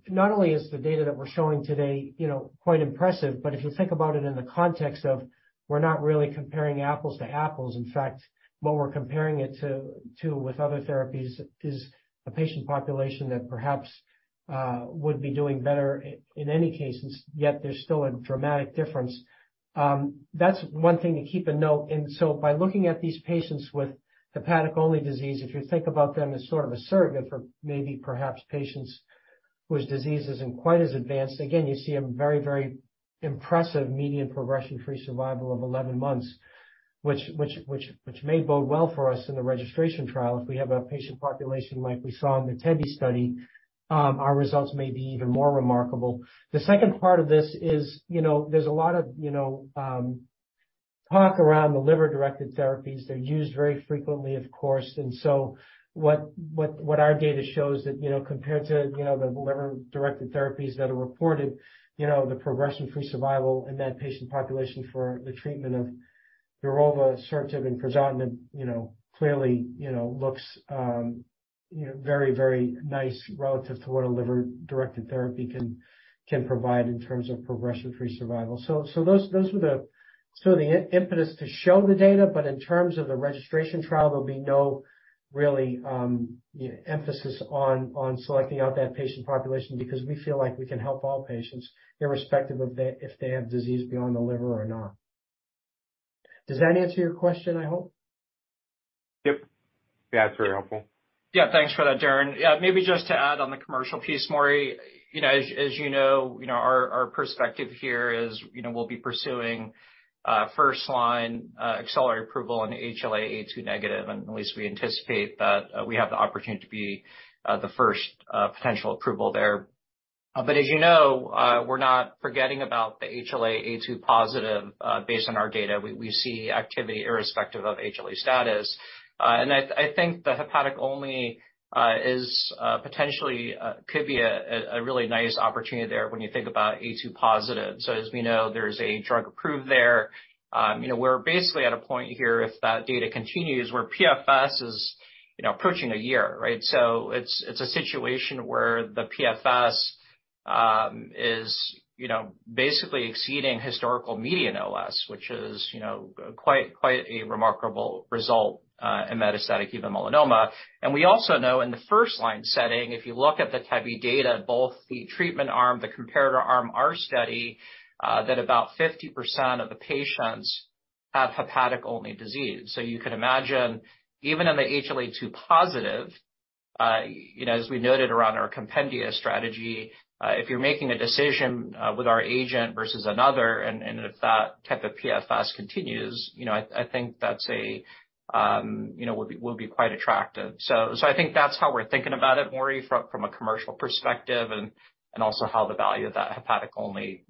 not only is the data that we're showing today, you know, quite impressive, but if you think about it in the context of we're not really comparing apples to apples. In fact, what we're comparing it to with other therapies is a patient population that perhaps would be doing better in any case, and yet there's still a dramatic difference. That's one thing to keep a note. By looking at these patients with hepatic-only disease, if you think about them as sort of a surrogate for maybe perhaps patients whose disease isn't quite as advanced, again, you see a very, very impressive median progression-free survival of 11 months, which may bode well for us in the registration trial. If we have a patient population like we saw in the TEBI study, our results may be even more remarkable. The second part of this is, you know, there's a lot of, you know, talk around the liver-directed therapies. They're used very frequently, of course. What our data shows that, you know, compared to, you know, the liver-directed therapies that are reported, you know, the progression-free survival in that patient population for the treatment of Darovasertib and Crizotinib, you know, clearly, you know, looks, you know, very, very nice relative to what a liver-directed therapy can provide in terms of progression-free survival. Those were the sort of the impetus to show the data, but in terms of the registration trial, there'll be no really emphasis on selecting out that patient population because we feel like we can help all patients, irrespective if they have disease beyond the liver or not. Does that answer your question, I hope? Yep. Yeah. It's very helpful. Thanks for that, Darren. Maybe just to add on the commercial piece, Maury. You know, as you know, you know, our perspective here is, you know, we'll be pursuing first line Accelerated Approval in HLA-A2 negative, and at least we anticipate that we have the opportunity to be the first potential approval there. But as you know, we're not forgetting about the HLA-A2 positive, based on our data. We, we see activity irrespective of HLA status. And I think the hepatic-only is potentially could be a really nice opportunity there when you think about A2 positive. As we know, there's a drug approved there. You know, we're basically at a point here if that data continues, where PFS is, you know, approaching a year, right? It's a situation where the PFS is, you know, basically exceeding historical median OS, which is, you know, quite a remarkable result in metastatic uveal melanoma. We also know in the first line setting, if you look at the TEBI data, both the treatment arm, the comparator arm, our study, that about 50% of the patients have hepatic-only disease. You could imagine even in the HLA-A2 positive, you know, as we noted around our Compendia strategy, if you're making a decision with our agent versus another, and if that type of PFS continues, you know, I think that's a, you know, will be quite attractive. I think that's how we're thinking about it, Maury, from a commercial perspective and also how the value of that hepatic-only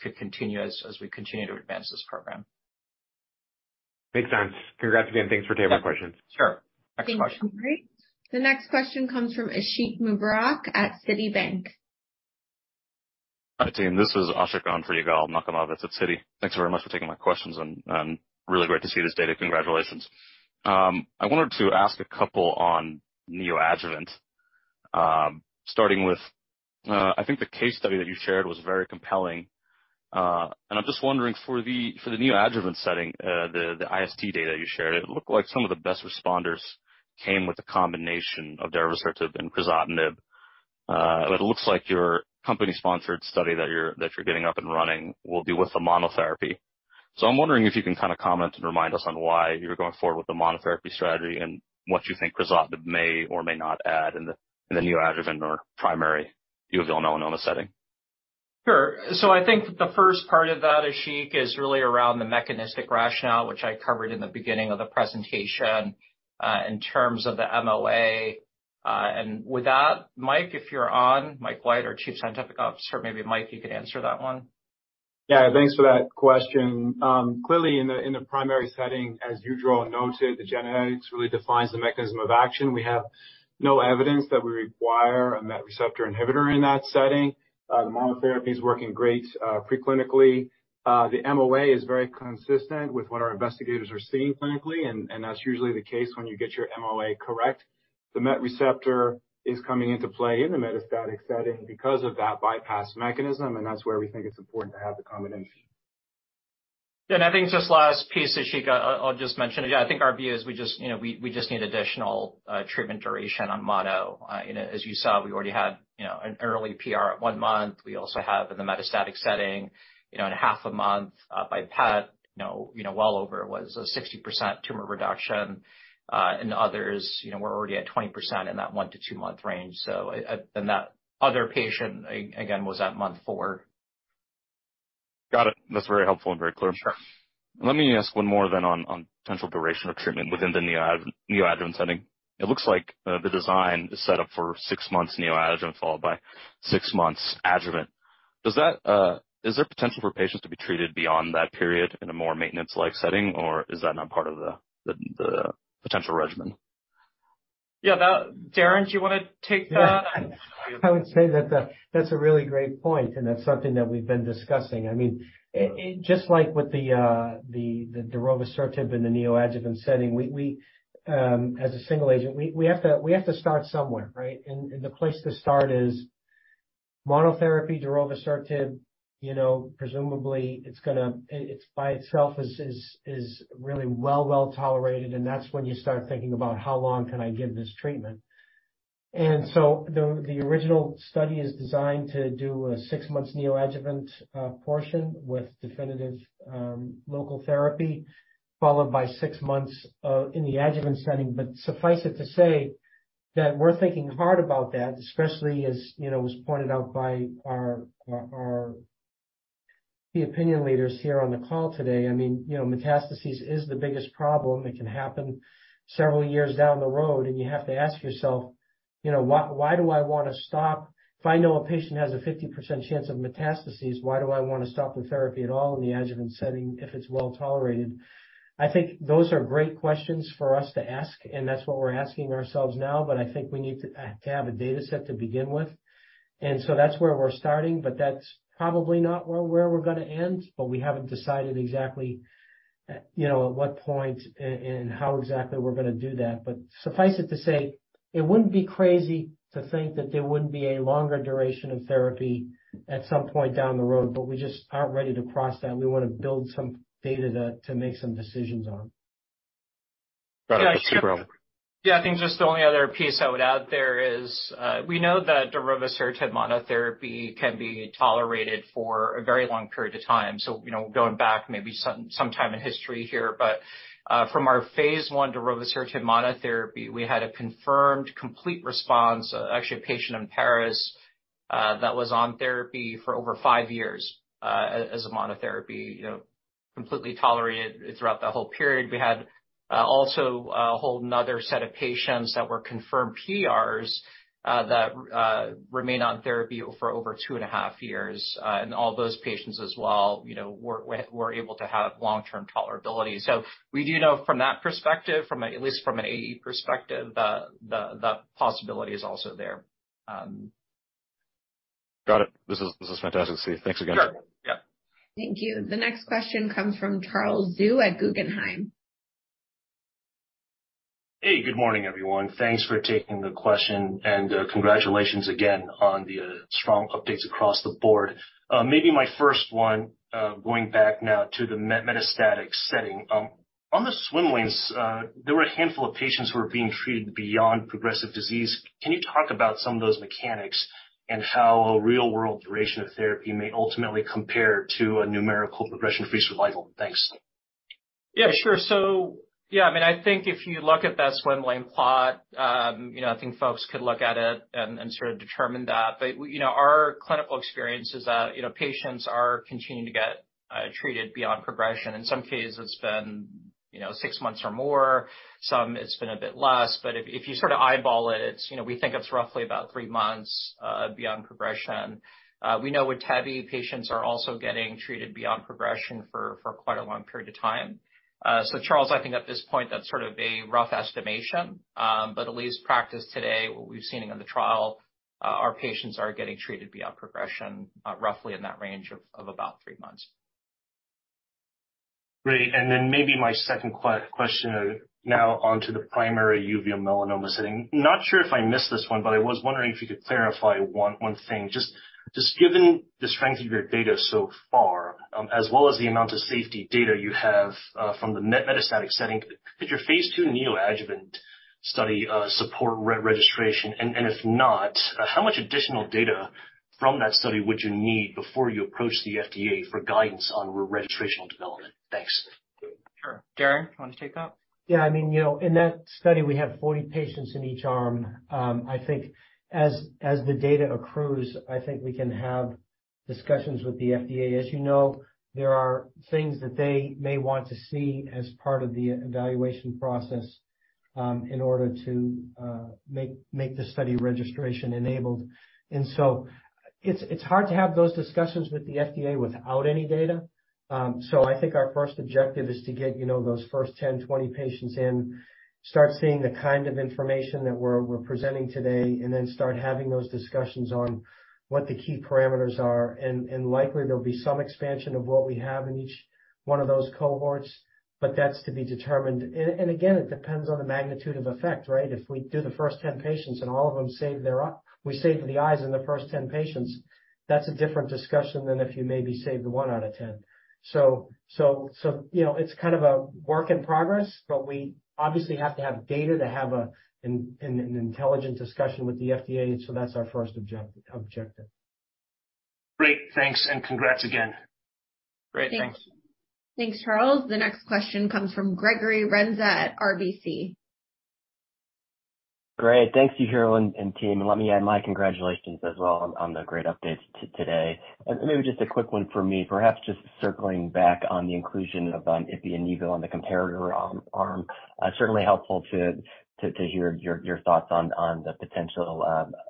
could continue as we continue to advance this program. Makes sense. Congrats again. Thanks for taking my questions. Sure. Next question. Thank you. Great. The next question comes from Ashik Mubarak at Citibank. Hi, team. This is Ashik on for Yigal Nochomovitz at Citi. Thanks very much for taking my questions. Really great to see this data. Congratulations. I wanted to ask a couple on neoadjuvant, starting with, I think the case study that you shared was very compelling. I'm just wondering, for the neoadjuvant setting, the IST data you shared, it looked like some of the best responders came with a combination of Darovasertib and Crizotinib. It looks like your company-sponsored study that you're getting up and running will be with the monotherapy. I'm wondering if you can kinda comment and remind us on why you're going forward with the monotherapy strategy and what you think Crizotinib may or may not add in the neoadjuvant or primary uveal melanoma setting. Sure. I think that the first part of that, Ashik, is really around the mechanistic rationale, which I covered in the beginning of the presentation, in terms of the MOA. With that, Mike, if you're on, Michael White, our Chief Scientific Officer, maybe Mike, you could answer that one. Yeah. Thanks for that question. Clearly in the primary setting, as Yujiro noted, the genetics really defines the mechanism of action. We have no evidence that we require a MET receptor inhibitor in that setting. The monotherapy is working great preclinically. The MOA is very consistent with what our investigators are seeing clinically, and that's usually the case when you get your MOA correct. The MET receptor is coming into play in the metastatic setting because of that bypass mechanism. That's where we think it's important to have the combination. Yeah. I think just last piece, Ashik, I'll just mention it. Yeah, I think our view is we just, you know, we just need additional treatment duration on mono. You know, as you saw, we already had, you know, an early PR at 1 month. We also have in the metastatic setting, you know, in a half a month, by PET, you know, well over what is a 60% tumor reduction. Others, you know, we're already at 20% in that one to two month range. That other patient again was at month 4. Got it. That's very helpful and very clear. Sure. Let me ask one more then on potential duration of treatment within the neoadjuvant setting. It looks like the design is set up for 6 months neoadjuvant followed by 6 months adjuvant. Does that? Is there potential for patients to be treated beyond that period in a more maintenance-like setting, or is that not part of the potential regimen? Yeah, that Daren, do you wanna take that? Yeah. I would say that that's a really great point, that's something that we've been discussing. I mean, just like with the the Darovasertib in the neoadjuvant setting, we as a single agent, we have to start somewhere, right? The place to start is monotherapy Darovasertib, you know, presumably it's by itself is really well, well-tolerated, that's when you start thinking about how long can I give this treatment. The original study is designed to do a 6 months neoadjuvant portion with definitive local therapy, followed by 6 months in the adjuvant setting. Suffice it to say that we're thinking hard about that, especially as, you know, was pointed out by our key opinion leaders here on the call today. I mean, you know, metastasis is the biggest problem. It can happen several years down the road. You have to ask yourself, you know, why do I wanna stop? If I know a patient has a 50% chance of metastasis, why do I wanna stop the therapy at all in the adjuvant setting if it's well-tolerated? I think those are great questions for us to ask, and that's what we're asking ourselves now. I think we need to have a data set to begin with. That's where we're starting, but that's probably not where we're gonna end. We haven't decided exactly, you know, at what point and how exactly we're gonna do that. Suffice it to say, it wouldn't be crazy to think that there wouldn't be a longer duration of therapy at some point down the road, but we just aren't ready to cross that. We wanna build some data to make some decisions on. Got it. That's super helpful. I think just the only other piece I would add there is, we know that Darovasertib monotherapy can be tolerated for a very long period of time. You know, going back maybe some time in history here, but from our phase I Darovasertib monotherapy, we had a confirmed complete response. Actually, a patient in Paris that was on therapy for over five years as a monotherapy, you know, completely tolerated throughout that whole period. We had also a whole nother set of patients that were confirmed PRs that remained on therapy for over two and a half years. All those patients as well, you know, were able to have long-term tolerability. We do know from that perspective, from at least from an AE perspective, the possibility is also there. Got it. This is, this is fantastic. Thanks again. Sure. Yeah. Thank you. The next question comes from Charles Zhu at Guggenheim. Hey. Good morning, everyone. Thanks for taking the question. Congratulations again on the strong updates across the board. Maybe my first one, going back now to the metastatic setting. On the swim lanes, there were a handful of patients who were being treated beyond progressive disease. Can you talk about some of those mechanics and how real-world duration of therapy may ultimately compare to a numerical progression-free survival? Thanks. Yeah, I mean, I think if you look at that swimmer plot, you know, I think folks could look at it and sort of determine that. You know, our clinical experience is that, you know, patients are continuing to get treated beyond progression. In some cases, it's been, you know, six months or more, some it's been a bit less. If you sort of eyeball it, you know, we think it's roughly about three months beyond progression. We know with Tebentafusp, patients are also getting treated beyond progression for quite a long period of time. Charles, I think at this point, that's sort of a rough estimation. At least practice to date, what we've seen in the trial, our patients are getting treated beyond progression, roughly in that range of about three months. Great. Then maybe my second question now onto the primary uveal melanoma setting. Not sure if I missed this one, but I was wondering if you could clarify one thing. Just given the strength of your data so far, as well as the amount of safety data you have from the metastatic setting, could your phase ll neoadjuvant study support re-registration? If not, how much additional data from that study would you need before you approach the FDA for guidance on re-registrational development? Thanks. Sure. Darren, you wanna take that? Yeah. I mean, you know, in that study, we have 40 patients in each arm. I think as the data accrues, I think we can have discussions with the FDA. You know, there are things that they may want to see as part of the evaluation process, in order to make the study registration enabled. It's hard to have those discussions with the FDA without any data. I think our first objective is to get, you know, those first 10, 20 patients in, start seeing the kind of information that we're presenting today, start having those discussions on what the key parameters are. Likely there'll be some expansion of what we have in each one of those cohorts, that's to be determined. Again, it depends on the magnitude of effect, right? If we do the first 10 patients and all of them save their we save the eyes in the first 10 patients, that's a different discussion than if you maybe saved one out of 10. You know, it's kind of a work in progress, but we obviously have to have data to have an intelligent discussion with the FDA, that's our first objective. Great. Thanks, and congrats again. Great. Thanks. Thanks. Thanks, Charles. The next question comes from Gregory Renza at RBC. Great. Thanks, Ujira and team. Let me add my congratulations as well on the great updates today. Maybe just a quick one for me, perhaps just circling back on the inclusion of Ipi and Nivo on the comparator arm. Certainly helpful to hear your thoughts on the potential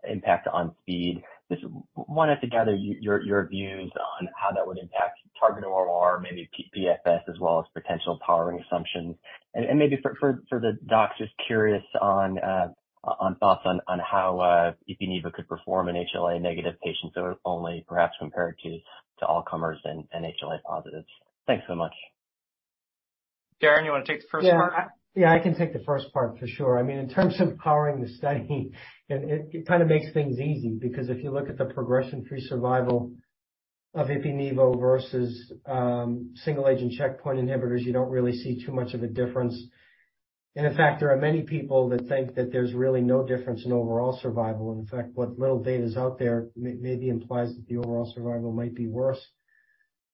impact on speed. Just wanted to gather your views on how that would impact target ORR, maybe PFS as well as potential powering assumptions. And maybe for the docs, just curious on thoughts on how Ipi/Nivo could perform in HLA-negative patients only, perhaps compared to all comers and HLA positives. Thanks so much. Darren, you wanna take the first part? Yeah, I can take the first part for sure. I mean, in terms of powering the study, it kinda makes things easy because if you look at the progression-free survival of ipi/nivo versus single-agent checkpoint inhibitors, you don't really see too much of a difference. In fact, there are many people that think that there's really no difference in overall survival. In fact, what little data is out there maybe implies that the overall survival might be worse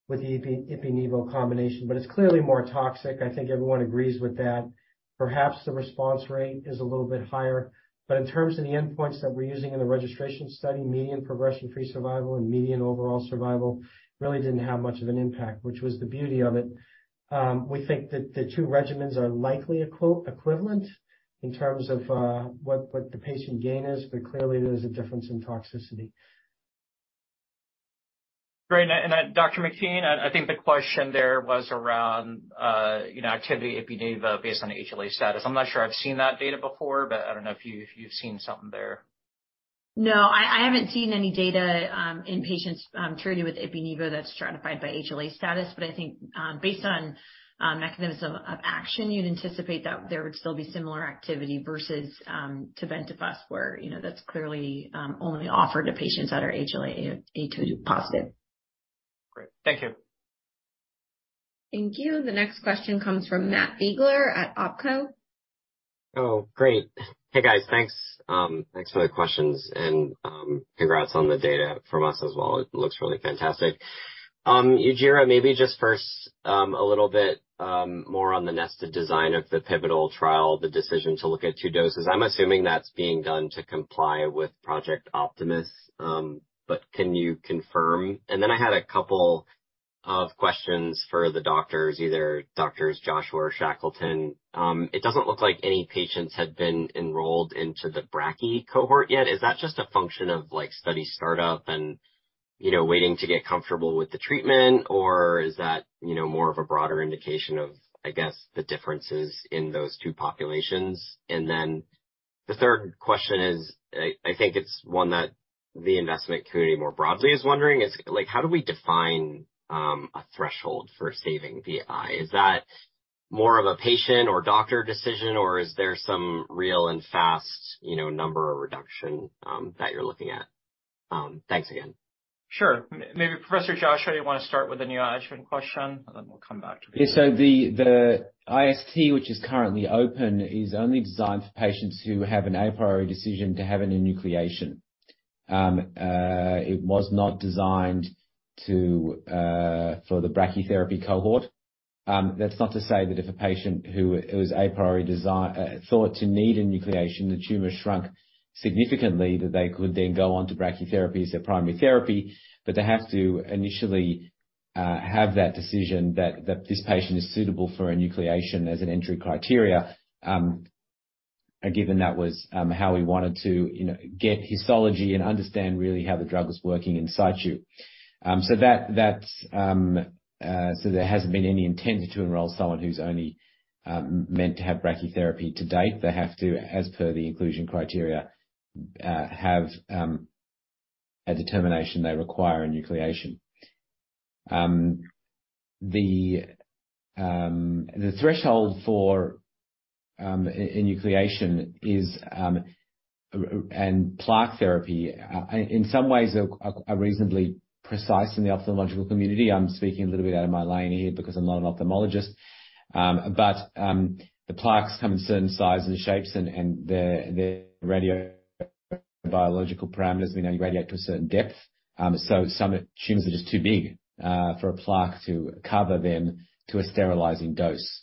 with the ipi/nivo combination, it's clearly more toxic. I think everyone agrees with that. Perhaps the response rate is a little bit higher. In terms of the endpoints that we're using in the registration study, median progression-free survival and median overall survival really didn't have much of an impact, which was the beauty of it. We think that the two regimens are likely equivalent in terms of, what the patient gain is, but clearly there's a difference in toxicity. Great. Dr. McKean, I think the question there was around, you know, activity Ipi-Nivo based on HLA status. I'm not sure I've seen that data before, but I don't know if you've seen something there. No, I haven't seen any data in patients treated with ipi/nivo that's stratified by HLA status. I think, based on mechanism of action, you'd anticipate that there would still be similar activity versus Tebentafusp, where, you know, that's clearly only offered to patients that are HLA-A2 positive. Great. Thank you. Thank you. The next question comes from Matt Biegler at OpCo. Great. Hey, guys. Thanks, thanks for the questions and congrats on the data from us as well. It looks really fantastic. Yujiro, maybe just first, a little bit more on the nested design of the pivotal trial, the decision to look at two doses. I'm assuming that's being done to comply with Project Optimus, but can you confirm? I had a couple of questions for the doctors, either Doctors Joshua or Shackleton. It doesn't look like any patients had been enrolled into the brachy cohort yet. Is that just a function of, like, study startup and, you know, waiting to get comfortable with the treatment? Or is that, you know, more of a broader indication of, I guess, the differences in those two populations? The third question is, I think it's one that the investment community more broadly is wondering is, like, how do we define a threshold for saving the eye? Is that more of a patient or doctor decision, or is there some real and fast, you know, number or reduction that you're looking at? Thanks again. Sure. Maybe Professor Joshua, you wanna start with the neoadjuvant question, and then we'll come back to me. Yeah. The IST, which is currently open, is only designed for patients who have an a priori decision to have an enucleation. It was not designed for the brachytherapy cohort. That's not to say that if a patient who it was a priori thought to need enucleation, the tumor shrunk significantly, that they could then go on to brachytherapy as their primary therapy. They have to initially have that decision that this patient is suitable for enucleation as an entry criteria, and given that was how we wanted to, you know, get histology and understand really how the drug was working inside you. That, there hasn't been any intent to enroll someone who's only meant to have Brachytherapy to date. They have to, as per the inclusion criteria, have a determination they require enucleation. The threshold for enucleation is and plaque therapy in some ways are reasonably precise in the ophthalmological community. I'm speaking a little bit out of my lane here because I'm not an ophthalmologist. The plaques come in certain sizes and shapes and their radiobiological parameters, we know you radiate to a certain depth. Some tumors are just too big for a plaque to cover them to a sterilizing dose.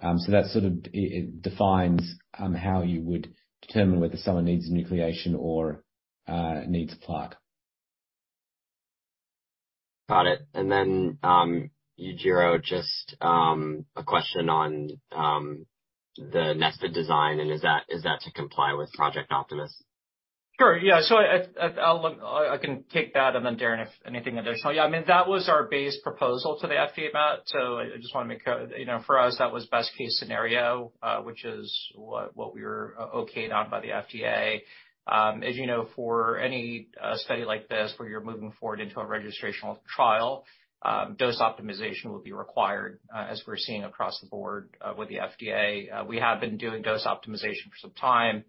That sort of it defines how you would determine whether someone needs enucleation or needs a plaque. Got it. Yujiro, just a question on the nested design, and is that to comply with Project Optimus? Sure, yeah. I can take that. Daren, if anything additional. I mean, that was our base proposal to the FDA, Matt Biegler. I just wanna make it. You know, for us, that was best case scenario, which is what we were okayed on by the FDA. As you know, for any study like this where you're moving forward into a registrational trial, dose optimization will be required, as we're seeing across the board with the FDA. We have been doing dose optimization for some time,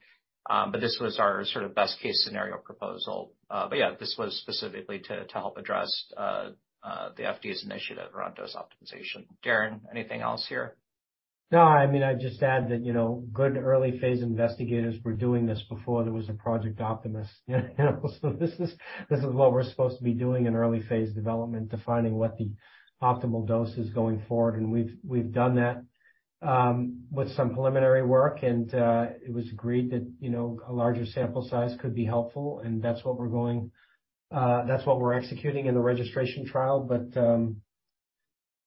this was our sort of best case scenario proposal. Yeah, this was specifically to help address the FDA's initiative around dose optimization. Daren, anything else here? No, I mean, I'd just add that, you know, good early phase investigators were doing this before there was a Project Optimus. You know, this is what we're supposed to be doing in early phase development, defining what the optimal dose is going forward. We've done that with some preliminary work, and it was agreed that, you know, a larger sample size could be helpful, and that's what we're executing in the registration trial.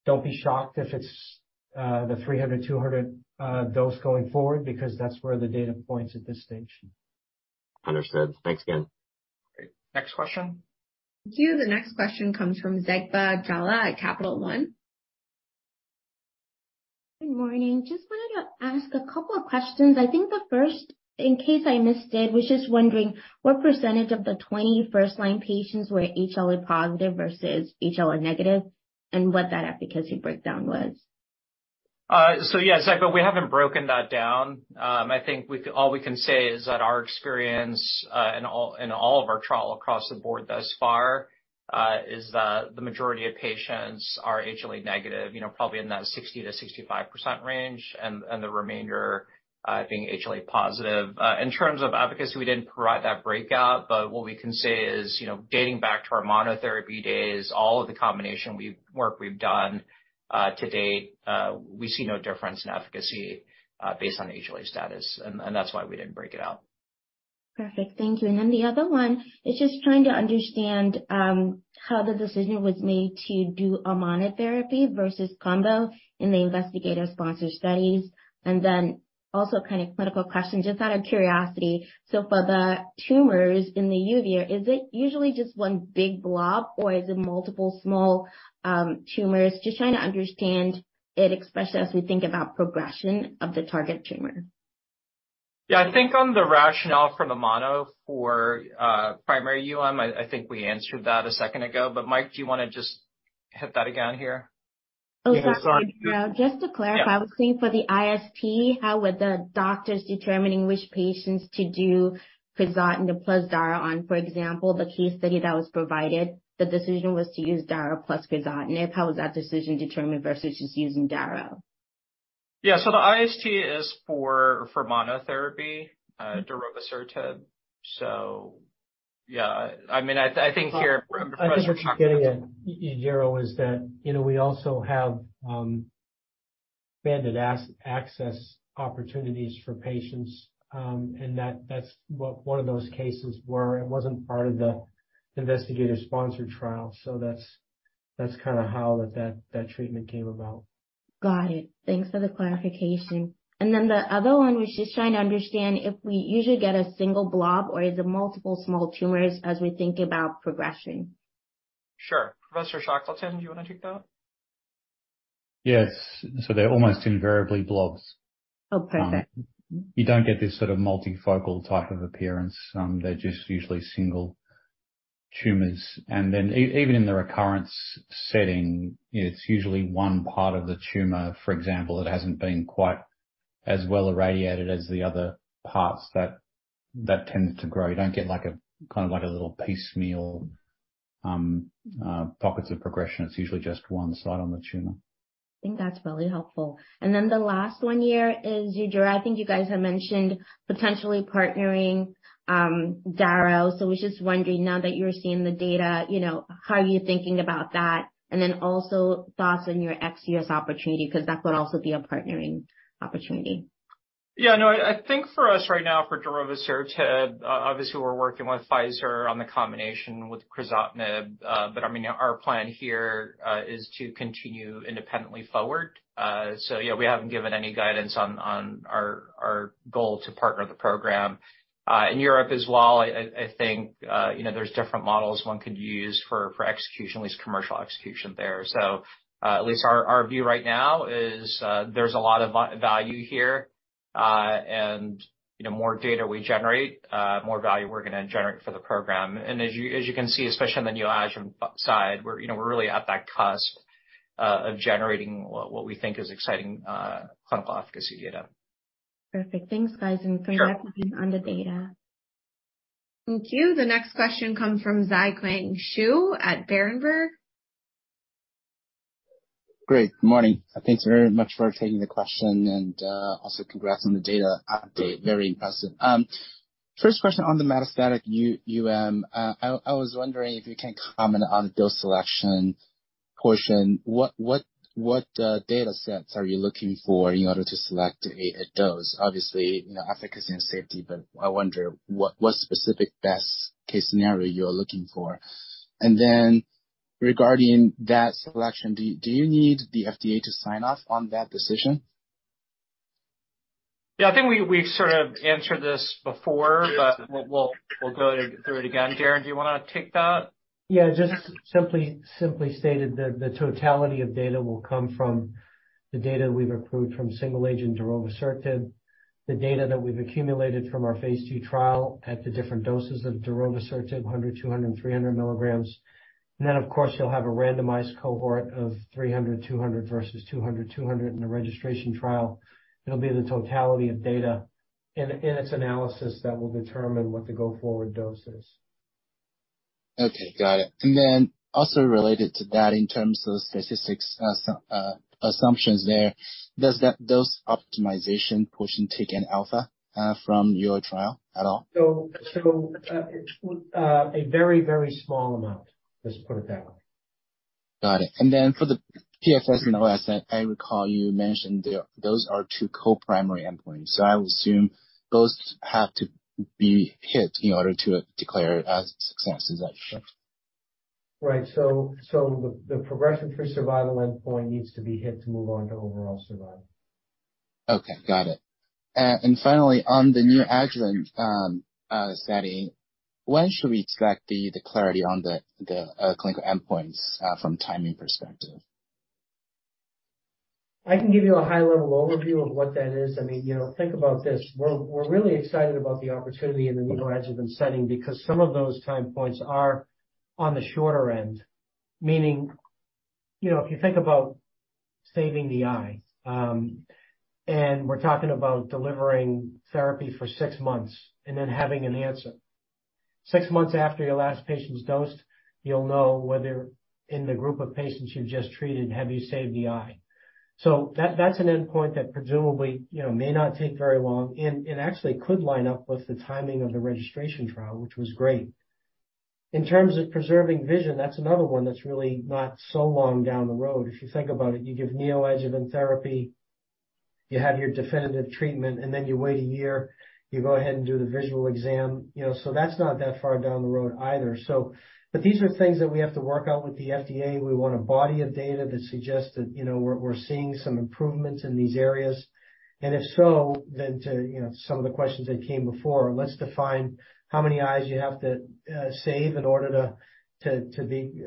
Don't be shocked if it's the 300, 200, dose going forward, because that's where the data points at this stage. Understood. Thanks again. Great. Next question. Thank you. The next question comes from Zegbeh Jallah at Capital One. Good morning. Just wanted to ask a couple of questions. I think the first, in case I missed it, was just wondering what % of the 20 first-line patients were HLA positive versus HLA negative, and what that efficacy breakdown was? Yeah, Zegba, we haven't broken that down. I think all we can say is that our experience in all of our trial across the board thus far is that the majority of patients are HLA negative, you know, probably in that 60%-65% range and the remainder being HLA positive. In terms of efficacy, we didn't provide that breakout, but what we can say is, you know, dating back to our monotherapy days, all of the combination work we've done to date, we see no difference in efficacy based on the HLA status. That's why we didn't break it out. Perfect. Thank you. The other one is just trying to understand how the decision was made to do a monotherapy versus combo in the investigator-sponsored studies. Kind of clinical question, just out of curiosity. For the tumors in the uvea, is it usually just one big blob or is it multiple small tumors? Just trying to understand it, especially as we think about progression of the target tumor. Yeah. I think on the rationale for the mono for primary Uveal Melanoma, I think we answered that a second ago. Mike White, do you wanna just hit that again here? Oh, sorry. Just to clarify- Yeah. Quickly for the IST, how were the doctors determining which patients to do Crizotinib plus daro on? For example, the case study that was provided, the decision was to use daro plus Crizotinib. How was that decision determined versus just using daro? Yeah. The IST is for monotherapy, Darovasertib. Yeah, I mean, I think. I think what she's getting at, Yujiro, is that, you know, we also have expanded access opportunities for patients, and that's what one of those cases were. It wasn't part of the investigator-sponsored trial. That's kinda how that treatment came about. Got it. Thanks for the clarification. The other one was just trying to understand if we usually get a single blob or is it multiple small tumors as we think about progression? Sure. Professor Shackleton, do you wanna take that? Yes. They're almost invariably blobs. Oh, perfect. You don't get this sort of multifocal type of appearance. They're just usually single tumors. Even in the recurrence setting, it's usually one part of the tumor. For example, it hasn't been quite as well irradiated as the other parts that tend to grow. You don't get like a little piecemeal- pockets of progression, it's usually just one side on the tumor. I think that's really helpful. The last one here is I think you guys have mentioned potentially partnering, daro. I was just wondering now that you're seeing the data, you know, how are you thinking about that? Also thoughts on your ex-U.S. opportunity, 'cause that would also be a partnering opportunity. Yeah. No, I think for us right now for Darovasertib, obviously we're working with Pfizer on the combination with Crizotinib. I mean, our plan here, is to continue independently forward. Yeah, we haven't given any guidance on our goal to partner the program. In Europe as well, I think, you know, there's different models one could use for execution, at least commercial execution there. At least our view right now is, there's a lot of value here, and, you know, more data we generate, more value we're gonna generate for the program. As you can see, especially in the neoadjuvant side, we're, you know, we're really at that cusp of generating what we think is exciting, clinical efficacy data. Perfect. Thanks, guys. Sure. Congrats on the data. Thank you. The next question comes from Zhi-Qiang Shu at Berenberg. Great. Good morning. Thanks very much for taking the question and also congrats on the data update. Very impressive. First question on the metastatic MUM, I was wondering if you can comment on the dose selection portion. What datasets are you looking for in order to select a dose? Obviously, you know, efficacy and safety, but I wonder what specific best case scenario you're looking for. Then regarding that selection, do you need the FDA to sign off on that decision? Yeah, I think we've sort of answered this before, but we'll go through it again. Daren, do you wanna take that? Yeah, just simply stated, the totality of data will come from the data we've approved from single agent Darovasertib, the data that we've accumulated from our phase ll trial at the different doses of Darovasertib, 100, 200 and 300 milligrams. Of course, you'll have a randomized cohort of 300, 200 versus 200 in a registration trial. It'll be the totality of data and its analysis that will determine what the go-forward dose is. Okay. Got it. Then also related to that, in terms of statistics assumptions there, does that dose optimization portion take an alpha from your trial at all? It's a very, very small amount. Let's put it that way. Got it. For the PFS and OS, I recall you mentioned those are two co-primary endpoints. I would assume those have to be hit in order to declare as success. Is that true? Right. The progression-free survival endpoint needs to be hit to move on to overall survival. Okay. Got it. Finally, on the neoadjuvant setting, when should we expect the clarity on the clinical endpoints from timing perspective? I can give you a high level overview of what that is. I mean, you know, think about this. We're really excited about the opportunity in the neoadjuvant setting because some of those time points are on the shorter end. Meaning, you know, if you think about saving the eye, and we're talking about delivering therapy for 6 months and then having an answer. 6 months after your last patient's dosed, you'll know whether in the group of patients you've just treated, have you saved the eye. That, that's an endpoint that presumably, you know, may not take very long and actually could line up with the timing of the registration trial, which was great. In terms of preserving vision, that's another one that's really not so long down the road. If you think about it, you give neoadjuvant therapy, you have your definitive treatment, and then you wait a year, you go ahead and do the visual exam. You know, that's not that far down the road either. These are things that we have to work out with the FDA. We want a body of data that suggests that, you know, we're seeing some improvements in these areas. If so, then to, you know, some of the questions that came before, let's define how many eyes you have to save in order to be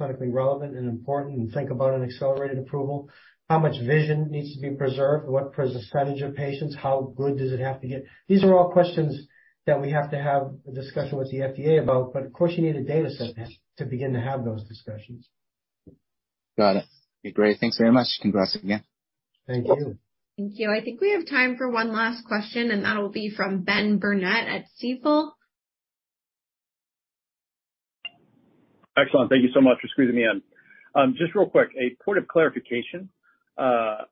clinically relevant and important and think about an Accelerated Approval. How much vision needs to be preserved? What % of patients? How good does it have to get? These are all questions that we have to have a discussion with the FDA about, but of course, you need a data set to begin to have those discussions. Got it. Great. Thanks very much. Congrats again. Thank you. Thank you. I think we have time for one last question, and that will be from Benjamin Burnett at Stifel. Excellent. Thank you so much for squeezing me in. Just real quick, a point of clarification. On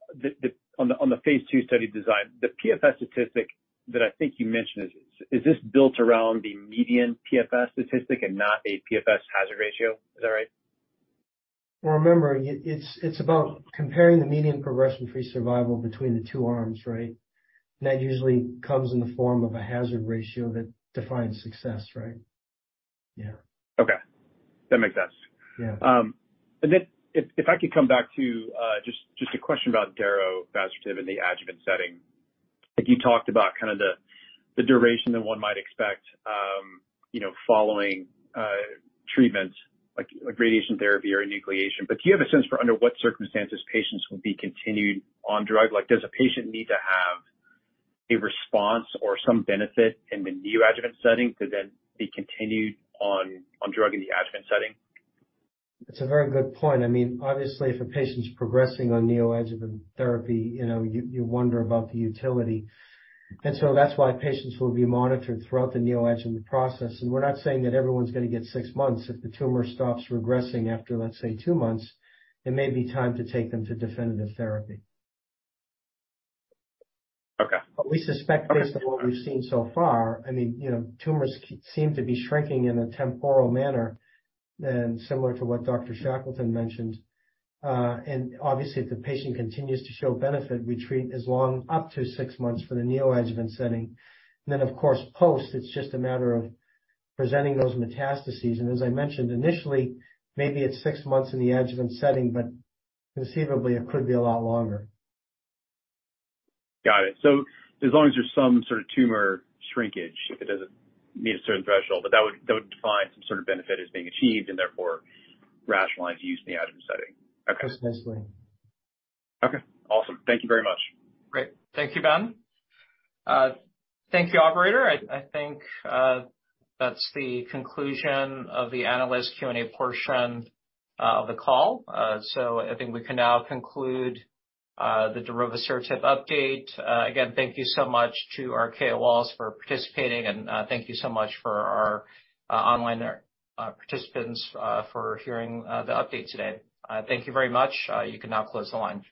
the phase ll study design, the PFS statistic that I think you mentioned, is this built around the median PFS statistic and not a PFS hazard ratio? Is that right? Remember, it's about comparing the median progression-free survival between the two arms, right? That usually comes in the form of a hazard ratio that defines success, right? Yeah. Okay. That makes sense. Yeah. If I could come back to just a question about Darovasertib in the adjuvant setting. Like you talked about kind of the duration that one might expect, you know, following treatment like radiation therapy or enucleation. Do you have a sense for under what circumstances patients will be continued on drug? Like, does a patient need to have a response or some benefit in the neoadjuvant setting to then be continued on drug in the adjuvant setting? That's a very good point. I mean, obviously, if a patient's progressing on neoadjuvant therapy, you know, you wonder about the utility. That's why patients will be monitored throughout the neoadjuvant process. We're not saying that everyone's gonna get six months. If the tumor stops regressing after, let's say, two months, it may be time to take them to definitive therapy. Okay. We suspect based on what we've seen so far, I mean, you know, tumors seem to be shrinking in a temporal manner and similar to what Dr. Shackleton mentioned. Obviously, if the patient continues to show benefit, we treat as long up to 6 months for the neoadjuvant setting. Then, of course, post, it's just a matter of presenting those metastases. As I mentioned initially, maybe it's 6 months in the adjuvant setting, but conceivably it could be a lot longer. Got it. As long as there's some sort of tumor shrinkage, if it doesn't meet a certain threshold, but that would define some sort of benefit as being achieved and therefore rationalize use in the adjuvant setting. Okay. Precisely. Okay. Awesome. Thank you very much. Great. Thank you, Ben. Thank you, operator. I think that's the conclusion of the Analyst Q&A portion of the call. I think we can now conclude the Darovasertib update. Again, thank you so much to our KOLs for participating, and thank you so much for our online participants for hearing the update today. Thank you very much. You can now close the line.